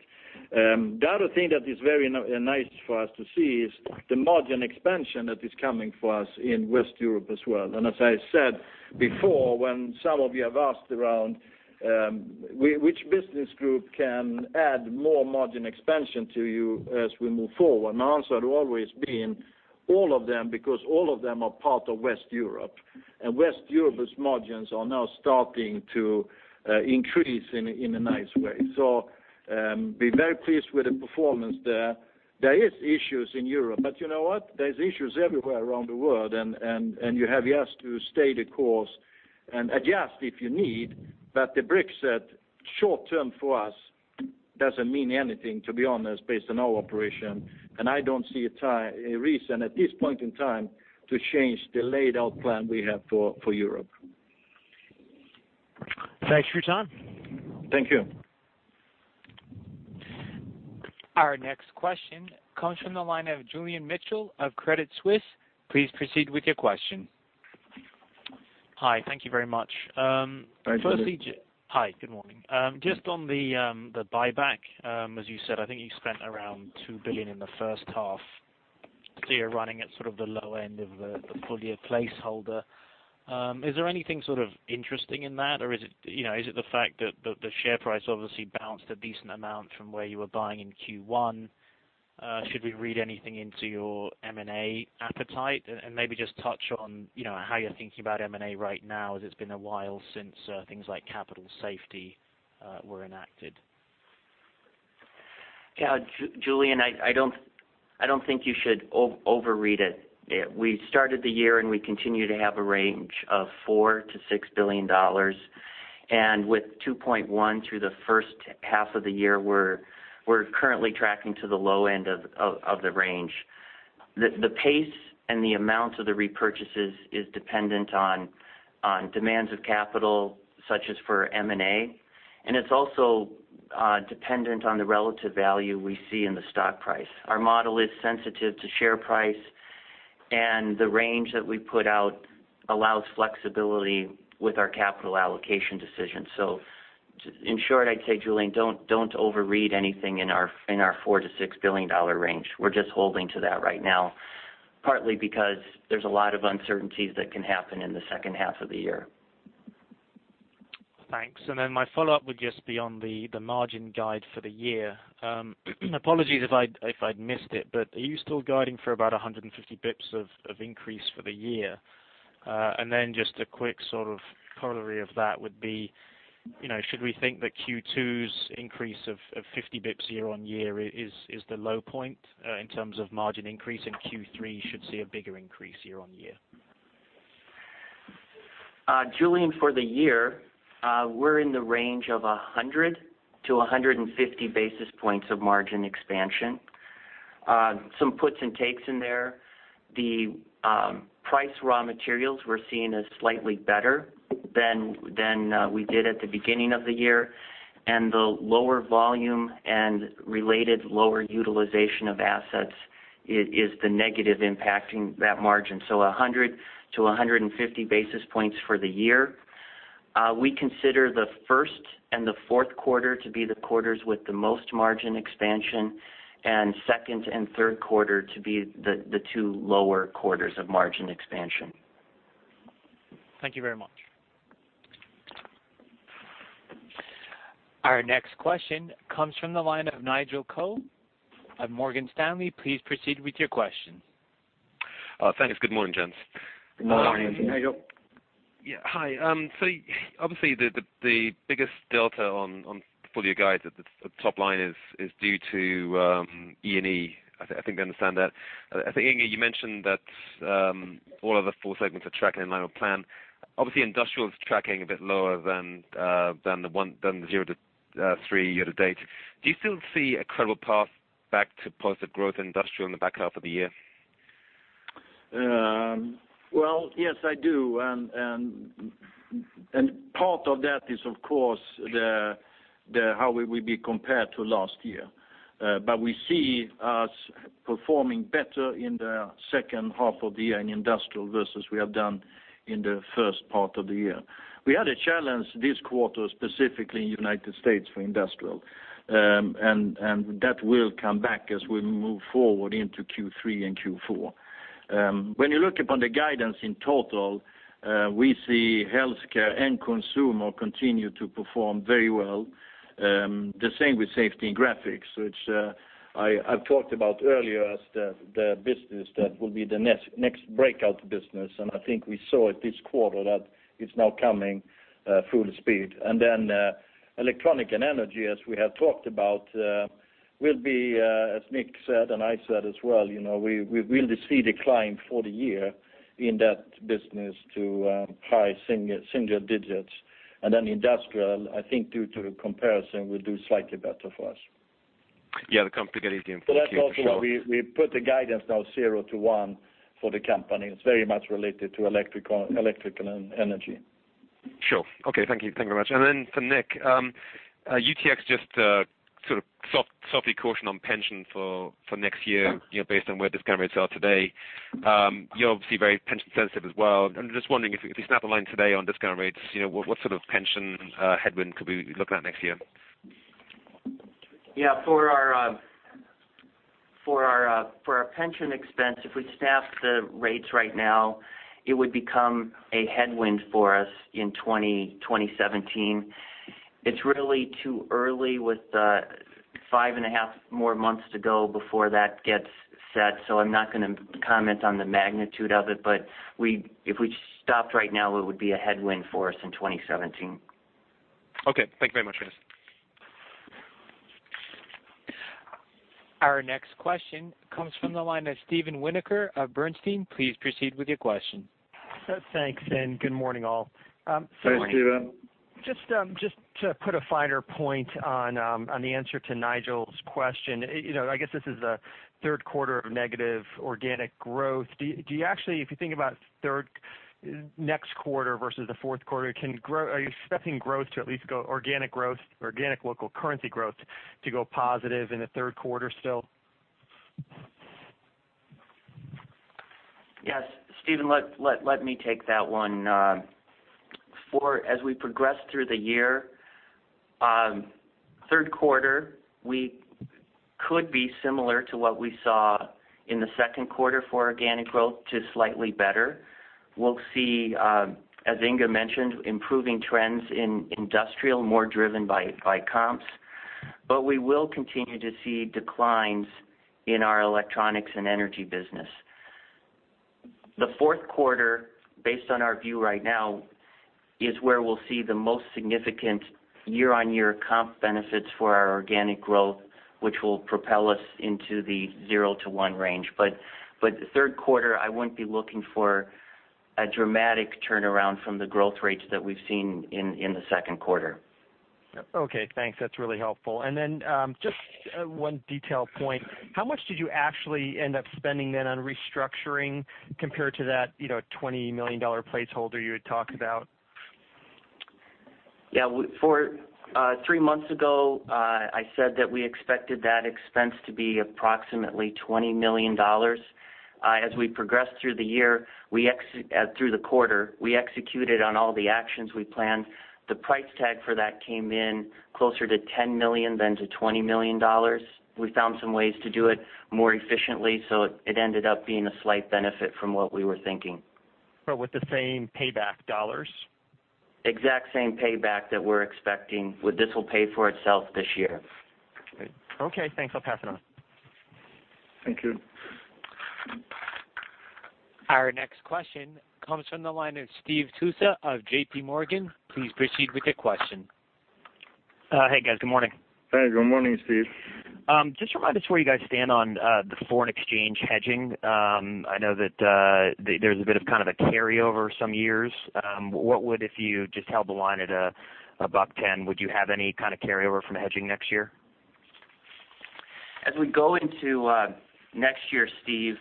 The other thing that is very nice for us to see is the margin expansion that is coming for us in West Europe as well. As I said before, when some of you have asked around which business group can add more margin expansion to you as we move forward? My answer had always been all of them, because all of them are part of West Europe. West Europe's margins are now starting to increase in a nice way. Be very pleased with the performance there. There is issues in Europe, but you know what? There's issues everywhere around the world, and you have just to stay the course and adjust if you need. The Brexit short term for us doesn't mean anything, to be honest, based on our operation. I don't see a reason at this point in time to change the laid out plan we have for Europe. Thanks for your time. Thank you. Our next question comes from the line of Julian Mitchell of Credit Suisse. Please proceed with your question. Hi. Thank you very much. Hi, Julian. Hi. Good morning. Just on the buyback, as you said, I think you spent around $2 billion in the first half. You're running at sort of the low end of the full year placeholder. Is there anything sort of interesting in that? Is it the fact that the share price obviously bounced a decent amount from where you were buying in Q1? Should we read anything into your M&A appetite? Maybe just touch on how you're thinking about M&A right now, as it's been a while since things like Capital Safety were enacted. Julian, I don't think you should overread it. We started the year, and we continue to have a range of $4 billion-$6 billion. With $2.1 billion through the first half of the year, we're currently tracking to the low end of the range. The pace and the amount of the repurchases is dependent on demands of capital, such as for M&A, and it's also dependent on the relative value we see in the stock price. Our model is sensitive to share price, and the range that we put out allows flexibility with our capital allocation decisions. In short, I'd say, Julian, don't overread anything in our $4 billion-$6 billion range. We're just holding to that right now, partly because there's a lot of uncertainties that can happen in the second half of the year. Thanks. My follow-up would just be on the margin guide for the year. Apologies if I'd missed it, are you still guiding for about 150 basis points of increase for the year? Just a quick sort of corollary of that would be, should we think that Q2's increase of 50 basis points year-over-year is the low point in terms of margin increase, and Q3 should see a bigger increase year-over-year? Julian, for the year, we're in the range of 100 to 150 basis points of margin expansion. Some puts and takes in there. The price raw materials we're seeing as slightly better than we did at the beginning of the year, and the lower volume and related lower utilization of assets is the negative impacting that margin. 100 to 150 basis points for the year. We consider the first and the fourth quarter to be the quarters with the most margin expansion, and second and third quarter to be the two lower quarters of margin expansion. Thank you very much. Our next question comes from the line of Nigel Coe of Morgan Stanley. Please proceed with your question. Thanks. Good morning, gents. Good morning. Good morning, Nigel. Hi. Obviously the biggest delta on the full-year guide at the top line is due to E&E. I think we understand that. I think, Inge, you mentioned that all of the four segments are tracking in line with plan. Obviously, Industrial's tracking a bit lower than the zero to three year-to-date. Do you still see a credible path back to positive growth Industrial in the back half of the year? Well, yes, I do. Part of that is, of course, how we will be compared to last year. We see us performing better in the second half of the year in Industrial versus we have done in the first part of the year. We had a challenge this quarter, specifically in the U.S. for Industrial, and that will come back as we move forward into Q3 and Q4. When you look upon the guidance in total, we see Healthcare and Consumer continue to perform very well. The same with Safety and Graphics, which I've talked about earlier as the business that will be the next breakout business, and I think we saw it this quarter that it's now coming full speed. Electronics & Energy, as we have talked about will be, as Nick said, and I said as well, we will see decline for the year in that business to high single digits. Industrial, I think due to comparison, will do slightly better for us. The complicated game for Q4. That's also why we put the guidance now 0-1 for the company. It's very much related to Electronics & Energy. Sure. Okay. Thank you very much. For Nick, UTX just sort of softly cautioned on pension for next year based on where discount rates are today. You're obviously very pension sensitive as well. I'm just wondering if you snap a line today on discount rates, what sort of pension headwind could we be looking at next year? Yeah. For our pension expense, if we snap the rates right now, it would become a headwind for us in 2017. It's really too early with five and a half more months to go before that gets set. I'm not going to comment on the magnitude of it. If we stopped right now, it would be a headwind for us in 2017. Okay. Thank you very much, guys. Our next question comes from the line of Steven Winoker of Bernstein. Please proceed with your question. Thanks, good morning, all. Thanks, Steven. Just to put a finer point on the answer to Nigel's question. I guess this is a third quarter of negative organic growth. If you think about next quarter versus the fourth quarter, are you expecting growth to at least go organic growth, organic local currency growth to go positive in the third quarter still? Yes, Steven, let me take that one. As we progress through the year, third quarter could be similar to what we saw in the second quarter for organic growth to slightly better. We'll see, as Inge mentioned, improving trends in industrial, more driven by comps, but we will continue to see declines in our Electronics & Energy business. The fourth quarter, based on our view right now, is where we'll see the most significant year-on-year comp benefits for our organic growth, which will propel us into the zero to one range. The third quarter, I wouldn't be looking for a dramatic turnaround from the growth rates that we've seen in the second quarter. Okay, thanks. That's really helpful. Just one detail point. How much did you actually end up spending then on restructuring compared to that $20 million placeholder you had talked about? Yeah. Three months ago, I said that we expected that expense to be approximately $20 million. As we progressed through the quarter, we executed on all the actions we planned. The price tag for that came in closer to $10 million than to $20 million. It ended up being a slight benefit from what we were thinking. With the same payback dollars? Exact same payback that we're expecting. This will pay for itself this year. Okay, thanks. I'll pass it on. Thank you. Our next question comes from the line of Steve Tusa of J.P. Morgan. Please proceed with your question. Hey, guys. Good morning. Hey, good morning, Steve. Just remind us where you guys stand on the foreign exchange hedging. I know that there's a bit of a carryover some years. What would, if you just held the line at $1.10, would you have any kind of carryover from hedging next year? As we go into next year, Steve,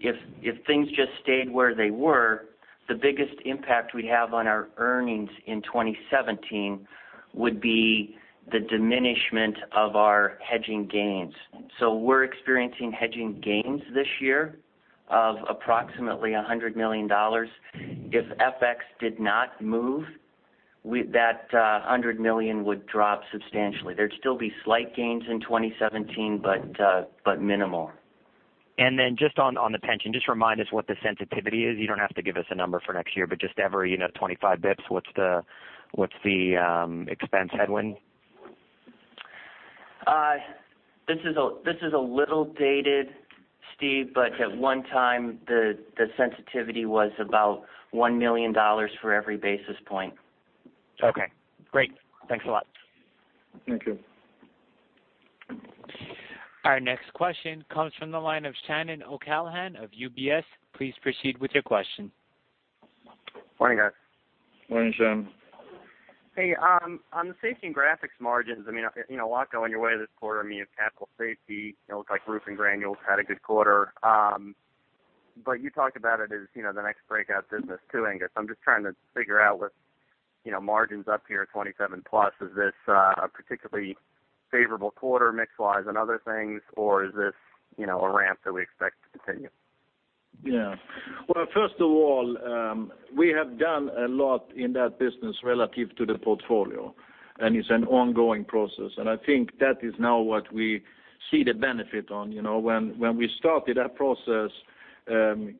if things just stayed where they were, the biggest impact we'd have on our earnings in 2017 would be the diminishment of our hedging gains. We're experiencing hedging gains this year of approximately $100 million. If FX did not move, that $100 million would drop substantially. There'd still be slight gains in 2017, but minimal. Just on the pension, just remind us what the sensitivity is. You don't have to give us a number for next year, but just every 25 basis points, what's the expense headwind? This is a little dated, Steve, at one time, the sensitivity was about $1 million for every basis point. Okay, great. Thanks a lot. Thank you. Our next question comes from the line of Shannon O'Callaghan of UBS. Please proceed with your question. Morning, guys. Morning, Shannon. Hey, on the Safety and Graphics margins, a lot going your way this quarter, Capital Safety, it looked like Roof and Granules had a good quarter. You talked about it as the next breakout business, too, Inge. I'm just trying to figure out with margins up here at 27+, is this a particularly favorable quarter mix-wise on other things, or is this a ramp that we expect to continue? Well, first of all, we have done a lot in that business relative to the portfolio, and it's an ongoing process. I think that is now what we see the benefit on. When we started that process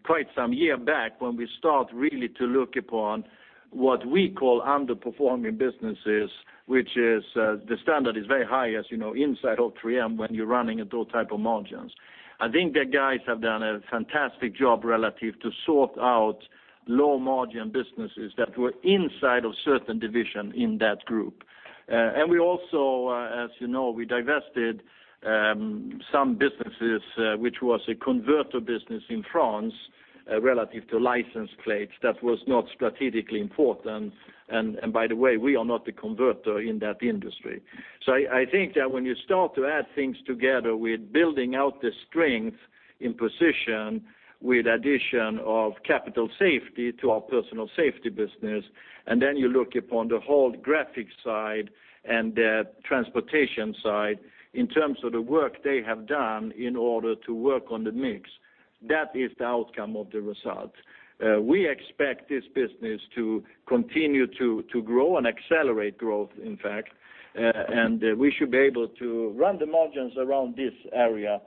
quite some year back, when we start really to look upon what we call underperforming businesses, which is the standard is very high, as you know, inside of 3M when you're running at those type of margins. I think the guys have done a fantastic job relative to sort out low-margin businesses that were inside of certain division in that group. We also, as you know, we divested some businesses, which was a converter business in France, relative to license plates that was not strategically important. By the way, we are not a converter in that industry. I think that when you start to add things together with building out the strength in position with addition of Capital Safety to our Personal Safety business, then you look upon the whole Graphics side and the Transportation side in terms of the work they have done in order to work on the mix, that is the outcome of the results. We expect this business to continue to grow and accelerate growth, in fact, and we should be able to run the margins around this area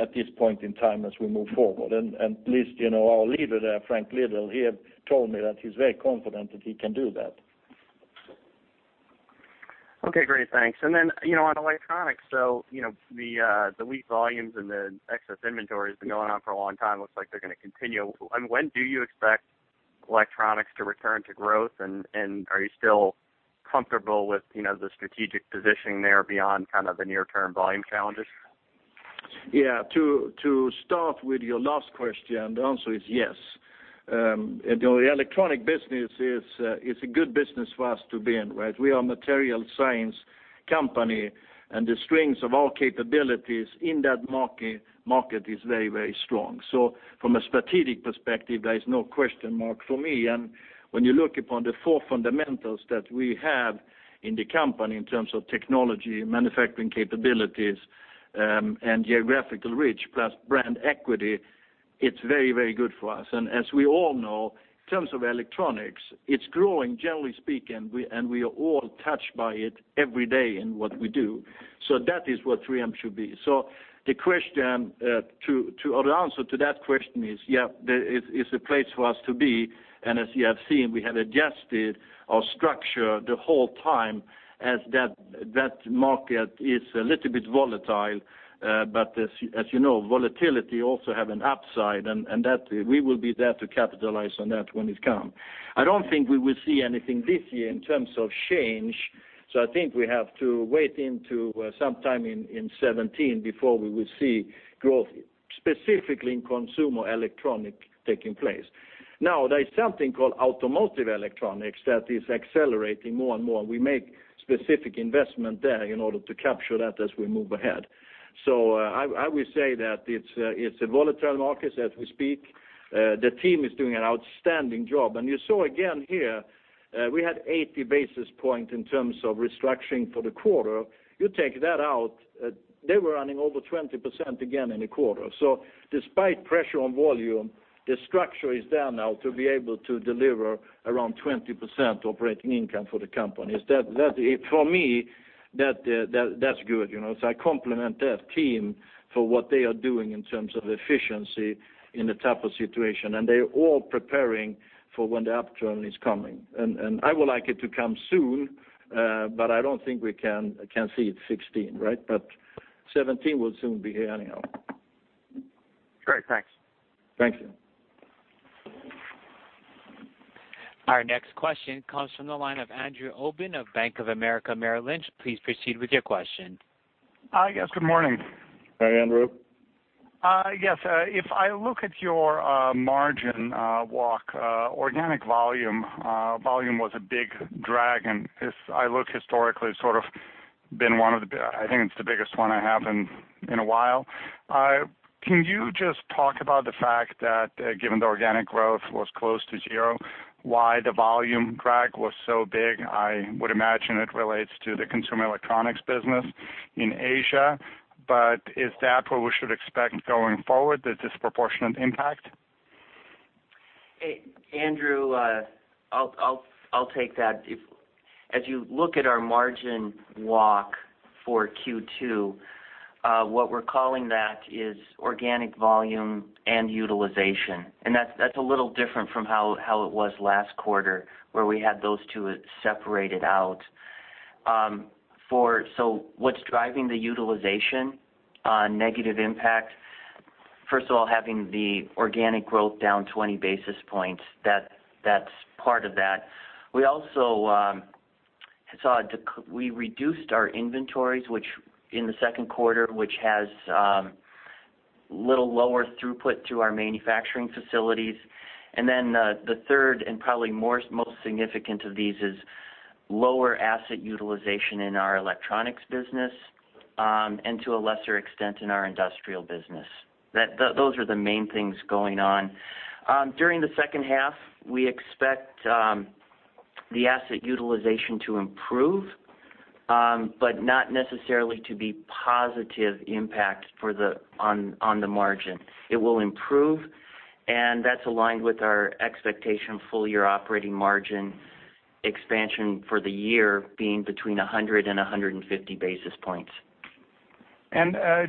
at this point in time as we move forward. At least, our leader there, Frank Little, he told me that he's very confident that he can do that. Great. Thanks. On electronics, the weak volumes and the excess inventory has been going on for a long time. Looks like they're going to continue. When do you expect electronics to return to growth, and are you still comfortable with the strategic positioning there beyond the near-term volume challenges? To start with your last question, the answer is yes. The electronic business is a good business for us to be in, right? We are a material science company, and the strengths of our capabilities in that market is very strong. From a strategic perspective, there is no question mark for me. When you look upon the four fundamentals that we have in the company in terms of technology, manufacturing capabilities, and geographical reach plus brand equity. It's very, very good for us. As we all know, in terms of electronics, it's growing, generally speaking, and we are all touched by it every day in what we do. That is what 3M should be. The answer to that question is, yes, it's a place for us to be, and as you have seen, we have adjusted our structure the whole time as that market is a little bit volatile. As you know, volatility also have an upside, and we will be there to capitalize on that when it comes. I don't think we will see anything this year in terms of change. I think we have to wait into sometime in 2017 before we will see growth, specifically in consumer electronic taking place. There is something called automotive electronics that is accelerating more and more. We make specific investment there in order to capture that as we move ahead. I will say that it's a volatile market as we speak. The team is doing an outstanding job. You saw again here, we had 80 basis points in terms of restructuring for the quarter. You take that out, they were running over 20% again in a quarter. Despite pressure on volume, the structure is there now to be able to deliver around 20% operating income for the company. For me, that's good. I compliment that team for what they are doing in terms of efficiency in a tougher situation. They're all preparing for when the upturn is coming. I would like it to come soon, but I don't think we can see it 2016, right? 2017 will soon be here anyhow. Great. Thanks. Thank you. Our next question comes from the line of Andrew Obin of Bank of America Merrill Lynch. Please proceed with your question. Hi, guys. Good morning. Hi, Andrew. If I look at your margin walk, organic volume was a big drag, and if I look historically, I think it's the biggest one I have in a while. Can you just talk about the fact that given the organic growth was close to zero, why the volume drag was so big? I would imagine it relates to the consumer electronics business in Asia, is that what we should expect going forward, the disproportionate impact? Andrew, I'll take that. As you look at our margin walk for Q2, what we're calling that is organic volume and utilization. That's a little different from how it was last quarter, where we had those two separated out. What's driving the utilization negative impact? First of all, having the organic growth down 20 basis points, that's part of that. We also reduced our inventories in the second quarter, which has little lower throughput to our manufacturing facilities. Then the third, and probably most significant of these is lower asset utilization in our electronics business, and to a lesser extent, in our industrial business. Those are the main things going on. During the second half, we expect the asset utilization to improve, not necessarily to be positive impact on the margin. It will improve, that's aligned with our expectation full-year operating margin expansion for the year being between 100 and 150 basis points.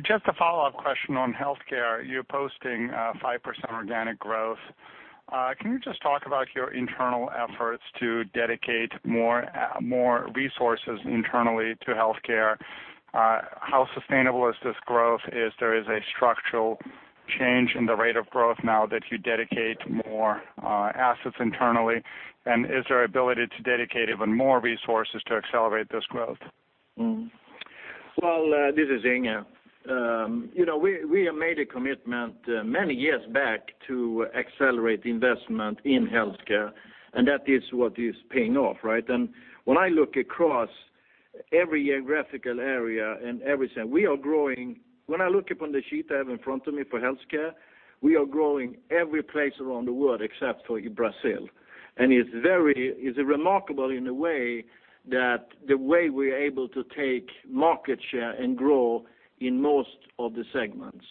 Just a follow-up question on healthcare. You're posting a 5% organic growth. Can you just talk about your internal efforts to dedicate more resources internally to healthcare? How sustainable is this growth? Is there a structural change in the rate of growth now that you dedicate more assets internally? Is there ability to dedicate even more resources to accelerate this growth? Well, this is Inge. We have made a commitment many years back to accelerate investment in healthcare, and that is what is paying off, right? When I look across every geographical area and everything, when I look upon the sheet I have in front of me for healthcare, we are growing every place around the world except for Brazil. It's remarkable in the way that we are able to take market share and grow in most of the segments.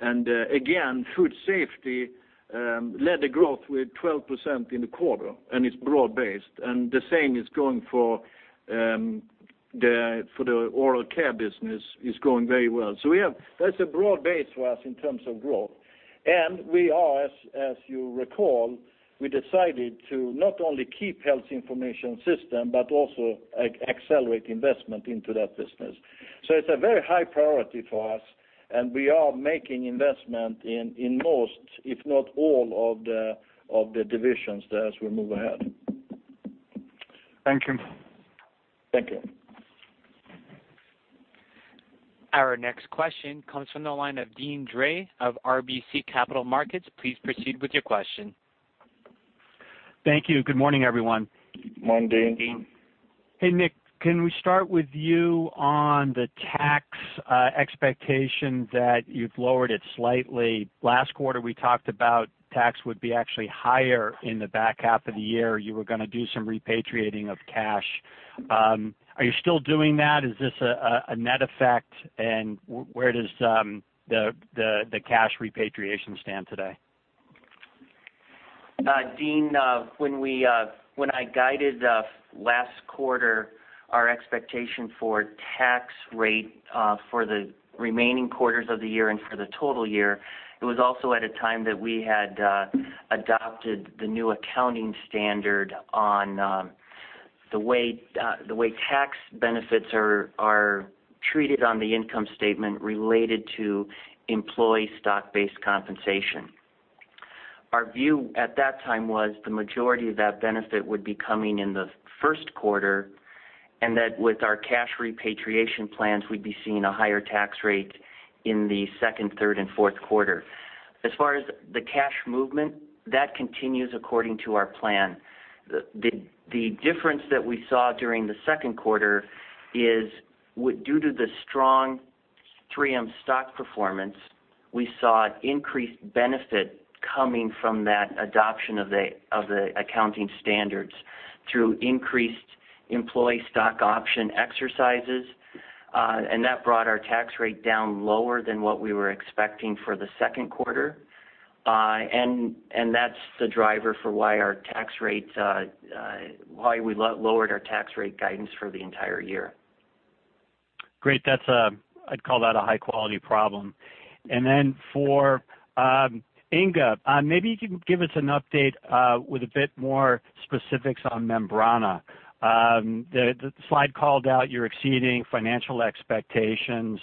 Again, food safety led the growth with 12% in the quarter, and it's broad-based, and the same is going for the oral care business, is going very well. That's a broad base for us in terms of growth. We are, as you recall, we decided to not only keep health information system, but also accelerate investment into that business. It's a very high priority for us, and we are making investment in most, if not all of the divisions as we move ahead. Thank you. Thank you. Our next question comes from the line of Deane Dray of RBC Capital Markets. Please proceed with your question. Thank you. Good morning, everyone. Morning, Deane. Hey, Nick, can we start with you on the tax expectation that you've lowered it slightly? Last quarter, we talked about tax would be actually higher in the back half of the year. You were going to do some repatriating of cash Are you still doing that? Is this a net effect? Where does the cash repatriation stand today? Deane, when I guided last quarter, our expectation for tax rate for the remaining quarters of the year and for the total year, it was also at a time that we had adopted the new accounting standard on the way tax benefits are treated on the income statement related to employee stock-based compensation. Our view at that time was the majority of that benefit would be coming in the first quarter, and that with our cash repatriation plans, we'd be seeing a higher tax rate in the second, third, and fourth quarter. As far as the cash movement, that continues according to our plan. The difference that we saw during the second quarter is, due to the strong 3M stock performance, we saw increased benefit coming from that adoption of the accounting standards through increased employee stock option exercises. That brought our tax rate down lower than what we were expecting for the second quarter. That's the driver for why we lowered our tax rate guidance for the entire year. Great. I'd call that a high-quality problem. Then for Inge, maybe you can give us an update with a bit more specifics on Membrana. The slide called out you're exceeding financial expectations.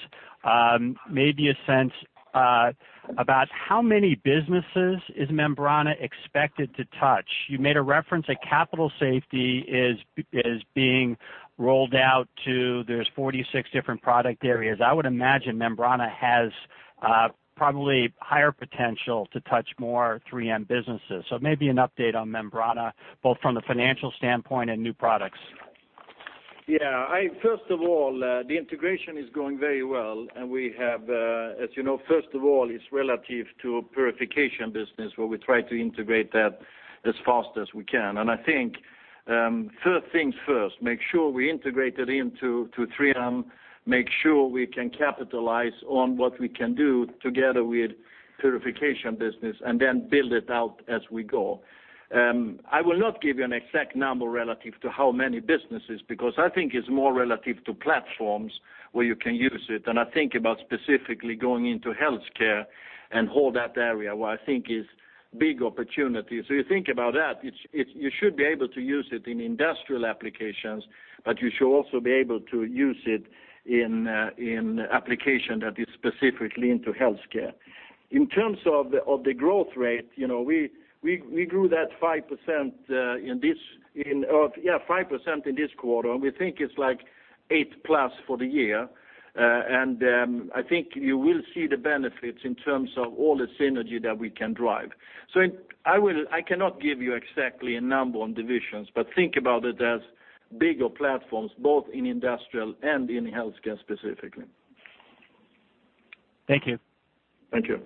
Maybe a sense about how many businesses is Membrana expected to touch. You made a reference that Capital Safety is being rolled out to, there's 46 different product areas. I would imagine Membrana has probably higher potential to touch more 3M businesses. Maybe an update on Membrana, both from the financial standpoint and new products. Yeah. First of all, the integration is going very well. As you know, first of all, it's relative to purification business, where we try to integrate that as fast as we can. I think, first things first, make sure we integrate it into 3M, make sure we can capitalize on what we can do together with purification business, then build it out as we go. I will not give you an exact number relative to how many businesses, because I think it's more relative to platforms where you can use it. I think about specifically going into healthcare and whole that area, where I think is big opportunity. You think about that, you should be able to use it in industrial applications, but you should also be able to use it in application that is specifically into healthcare. In terms of the growth rate, we grew that 5% in this quarter. We think it's like 8+ for the year. I think you will see the benefits in terms of all the synergy that we can drive. I cannot give you exactly a number on divisions, but think about it as bigger platforms, both in industrial and in healthcare specifically. Thank you. Thank you.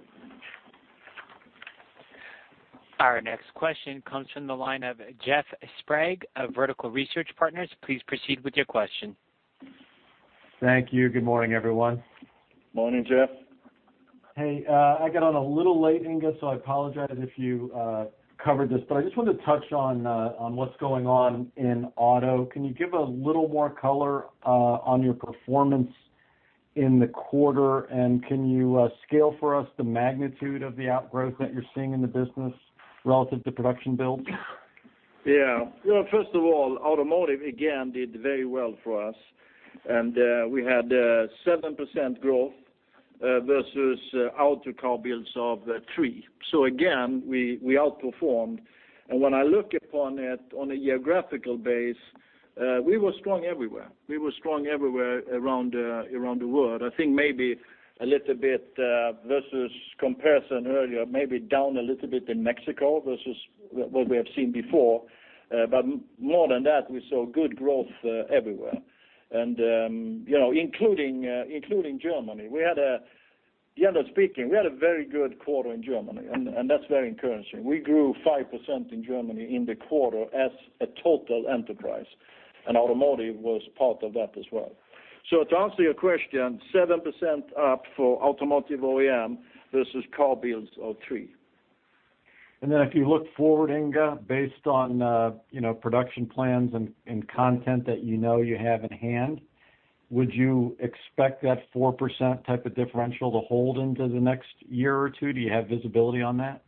Our next question comes from the line of Jeffrey Sprague of Vertical Research Partners. Please proceed with your question. Thank you. Good morning, everyone. Morning, Jeff. Hey, I got on a little late, Inge, so I apologize if you covered this, but I just wanted to touch on what's going on in auto. Can you give a little more color on your performance in the quarter, and can you scale for us the magnitude of the outgrowth that you're seeing in the business relative to production build? Yeah. First of all, automotive, again, did very well for us, we had 7% growth versus auto car builds of 3%. Again, we outperformed. When I look upon it on a geographical base, we were strong everywhere. We were strong everywhere around the world. I think maybe a little bit versus comparison earlier, maybe down a little bit in Mexico versus what we have seen before. More than that, we saw good growth everywhere, including Germany. Generally speaking, we had a very good quarter in Germany, and that's very encouraging. We grew 5% in Germany in the quarter as a total enterprise, and automotive was part of that as well. To answer your question, 7% up for automotive OEM versus car builds of 3%. If you look forward, Inge, based on production plans and content that you know you have in hand, would you expect that 4% type of differential to hold into the next year or two? Do you have visibility on that?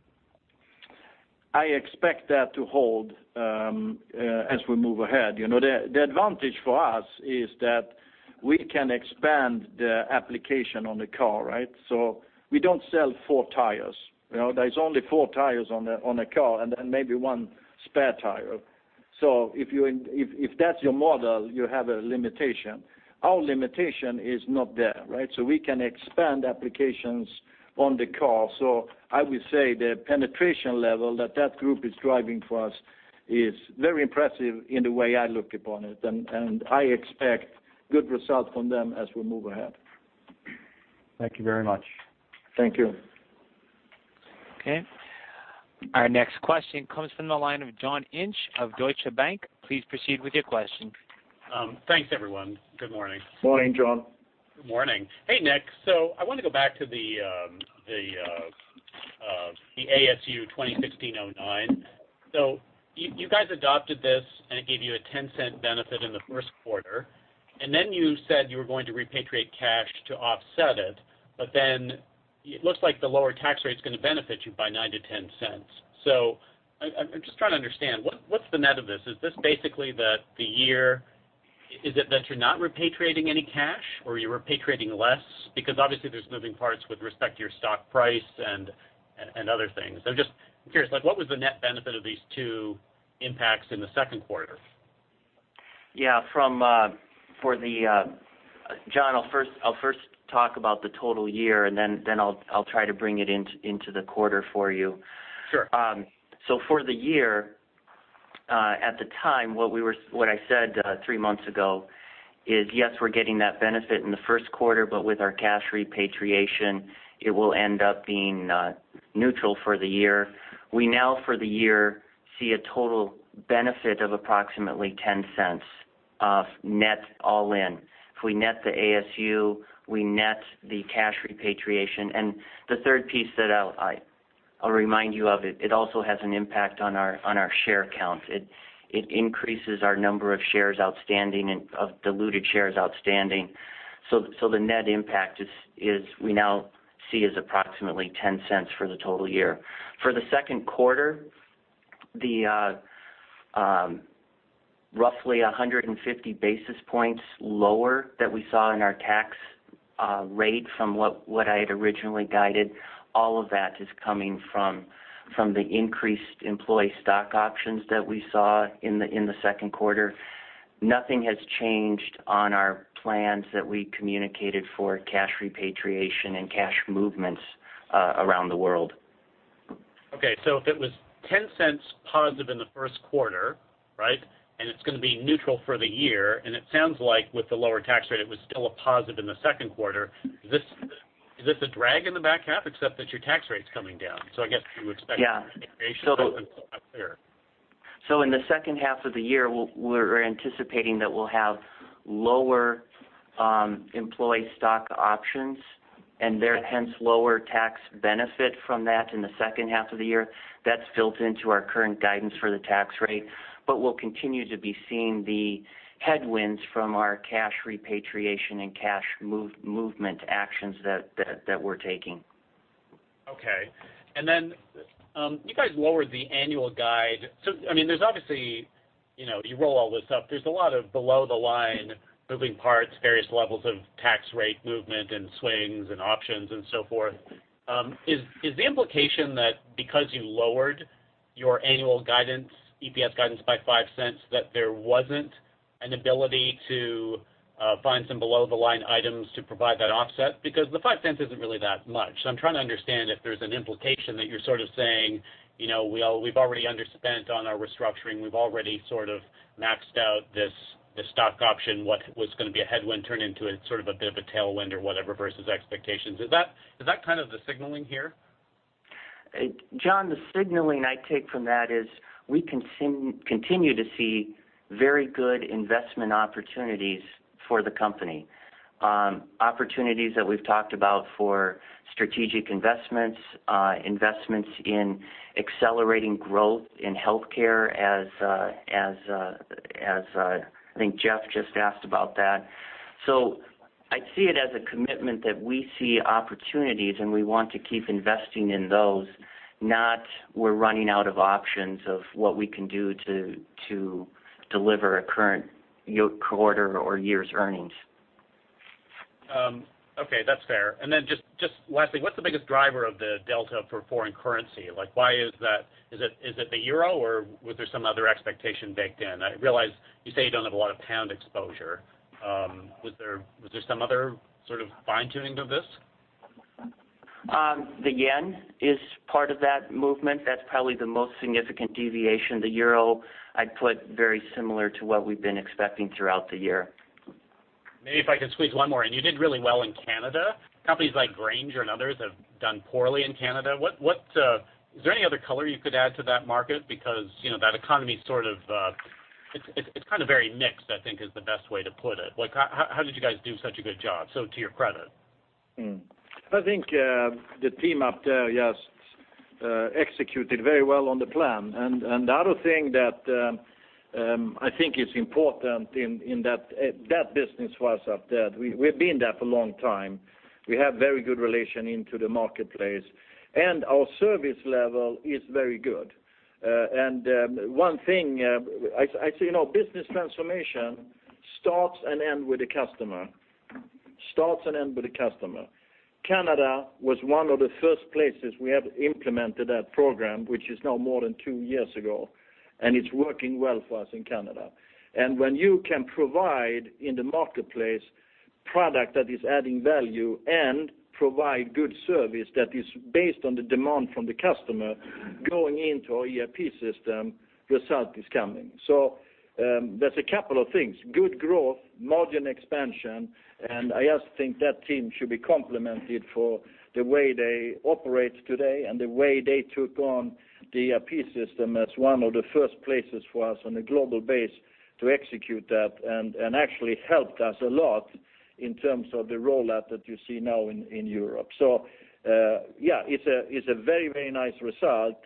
I expect that to hold as we move ahead. The advantage for us is that we can expand the application on the car, right? We don't sell four tires. There's only four tires on a car and then maybe one spare tire. If that's your model, you have a limitation. Our limitation is not there, right? We can expand applications on the car. I would say the penetration level that that group is driving for us is very impressive in the way I look upon it, and I expect good results from them as we move ahead. Thank you very much. Thank you. Okay. Our next question comes from the line of John Inch of Deutsche Bank. Please proceed with your question. Thanks, everyone. Good morning. Morning, John. Good morning. Hey, Nick. I want to go back to the ASU 2016-09. You guys adopted this, and it gave you a $0.10 benefit in the first quarter, and then you said you were going to repatriate cash to offset it. It looks like the lower tax rate is going to benefit you by $0.09-$0.10. I'm just trying to understand, what's the net of this? Is it that you're not repatriating any cash or you're repatriating less? Because obviously, there's moving parts with respect to your stock price and other things. I'm just curious, what was the net benefit of these two impacts in the second quarter? Yeah. John, I'll first talk about the total year. I'll try to bring it into the quarter for you. Sure. For the year, at the time, what I said 3 months ago is, yes, we're getting that benefit in the first quarter, but with our cash repatriation, it will end up being neutral for the year. We now, for the year, see a total benefit of approximately $0.10 of net all in. If we net the ASU, we net the cash repatriation. The 3rd piece that I'll remind you of, it also has an impact on our share count. It increases our number of shares outstanding and of diluted shares outstanding. The net impact we now see is approximately $0.10 for the total year. For the second quarter, the roughly 150 basis points lower that we saw in our tax rate from what I had originally guided, all of that is coming from the increased employee stock options that we saw in the second quarter. Nothing has changed on our plans that we communicated for cash repatriation and cash movements around the world. Okay. If it was $0.10 positive in the first quarter, right? It's going to be neutral for the year, and it sounds like with the lower tax rate, it was still a positive in the second quarter. Is this a drag in the back half, except that your tax rate's coming down? Yeah repatriation to open up there. In the second half of the year, we're anticipating that we'll have lower employee stock options, and hence lower tax benefit from that in the second half of the year. That's built into our current guidance for the tax rate. We'll continue to be seeing the headwinds from our cash repatriation and cash movement actions that we're taking. Okay. Then you guys lowered the annual guide. There's obviously, you roll all this up, there's a lot of below the line moving parts, various levels of tax rate movement and swings and options and so forth. Is the implication that because you lowered your annual guidance, EPS guidance by $0.05, that there wasn't an ability to find some below-the-line items to provide that offset? The $0.05 isn't really that much. I'm trying to understand if there's an implication that you're sort of saying, we've already underspent on our restructuring. We've already sort of maxed out this stock option, what was going to be a headwind turned into a bit of a tailwind or whatever versus expectations. Is that kind of the signaling here? John, the signaling I take from that is we continue to see very good investment opportunities for the company. Opportunities that we've talked about for strategic investments in accelerating growth in healthcare as I think Jeff just asked about that. I see it as a commitment that we see opportunities and we want to keep investing in those, not we're running out of options of what we can do to deliver a current quarter or year's earnings. Okay, that's fair. Just lastly, what's the biggest driver of the delta for foreign currency? Is it the euro or was there some other expectation baked in? I realize you say you don't have a lot of pound exposure. Was there some other sort of fine-tuning of this? The yen is part of that movement. That's probably the most significant deviation. The euro, I'd put very similar to what we've been expecting throughout the year. Maybe if I could squeeze one more in. You did really well in Canada. Companies like Grainger and others have done poorly in Canada. Is there any other color you could add to that market? That economy, it's kind of very mixed, I think is the best way to put it. How did you guys do such a good job, to your credit? I think the team up there just executed very well on the plan. The other thing that I think is important in that business for us up there, we've been there for a long time. We have very good relation into the marketplace, and our service level is very good. One thing, business transformation starts and ends with the customer. Canada was one of the first places we have implemented that program, which is now more than two years ago, and it's working well for us in Canada. When you can provide in the marketplace product that is adding value and provide good service that is based on the demand from the customer going into our ERP system, result is coming. There's a couple of things, good growth, margin expansion, I also think that team should be complimented for the way they operate today and the way they took on the ERP system as one of the first places for us on a global base to execute that, actually helped us a lot in terms of the rollout that you see now in Europe. Yeah, it's a very nice result.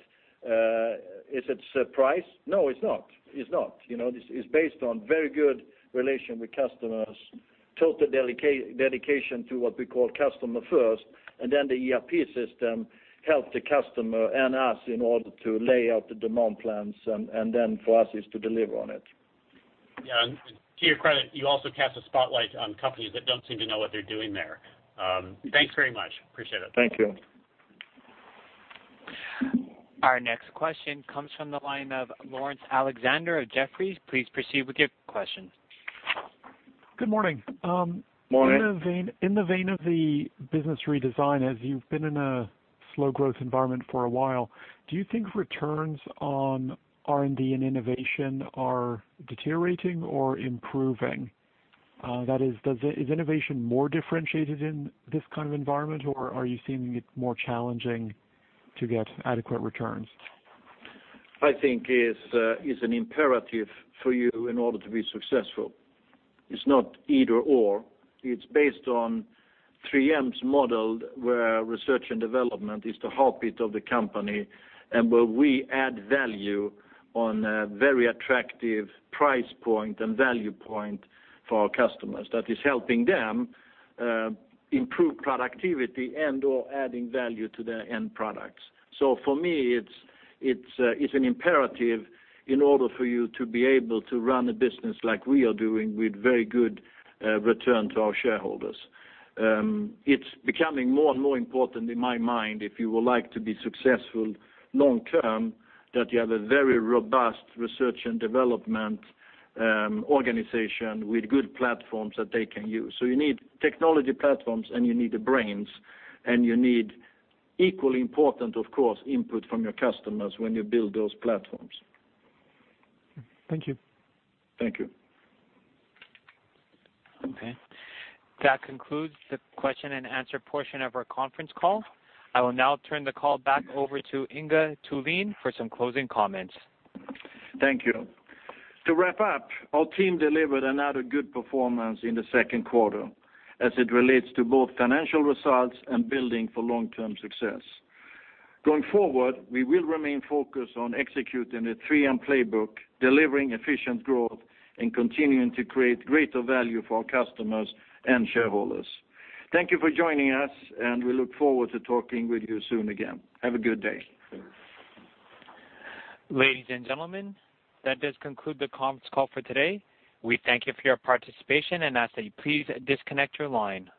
Is it surprise? No, it's not. It's based on very good relation with customers, total dedication to what we call Customer First, the ERP system helped the customer and us in order to lay out the demand plans for us is to deliver on it. Yeah. To your credit, you also cast a spotlight on companies that don't seem to know what they're doing there. Thanks very much. Appreciate it. Thank you. Our next question comes from the line of Laurence Alexander of Jefferies. Please proceed with your question. Good morning. Morning. In the vein of the business redesign, as you've been in a slow growth environment for a while, do you think returns on R&D and innovation are deteriorating or improving? That is innovation more differentiated in this kind of environment, or are you seeing it more challenging to get adequate returns? I think it's an imperative for you in order to be successful. It's not either/or. It's based on 3M's model, where research and development is the heartbeat of the company, and where we add value on a very attractive price point and value point for our customers that is helping them improve productivity and/or adding value to their end products. For me, it's an imperative in order for you to be able to run a business like we are doing with very good return to our shareholders. It's becoming more and more important in my mind, if you would like to be successful long term, that you have a very robust research and development organization with good platforms that they can use. You need technology platforms and you need the brains, and you need equally important, of course, input from your customers when you build those platforms. Thank you. Thank you. Okay. That concludes the question and answer portion of our conference call. I will now turn the call back over to Inge Thulin for some closing comments. Thank you. To wrap up, our team delivered another good performance in the second quarter as it relates to both financial results and building for long-term success. Going forward, we will remain focused on executing the 3M playbook, delivering efficient growth, and continuing to create greater value for our customers and shareholders. Thank you for joining us, and we look forward to talking with you soon again. Have a good day. Ladies and gentlemen, that does conclude the conference call for today. We thank you for your participation and ask that you please disconnect your line.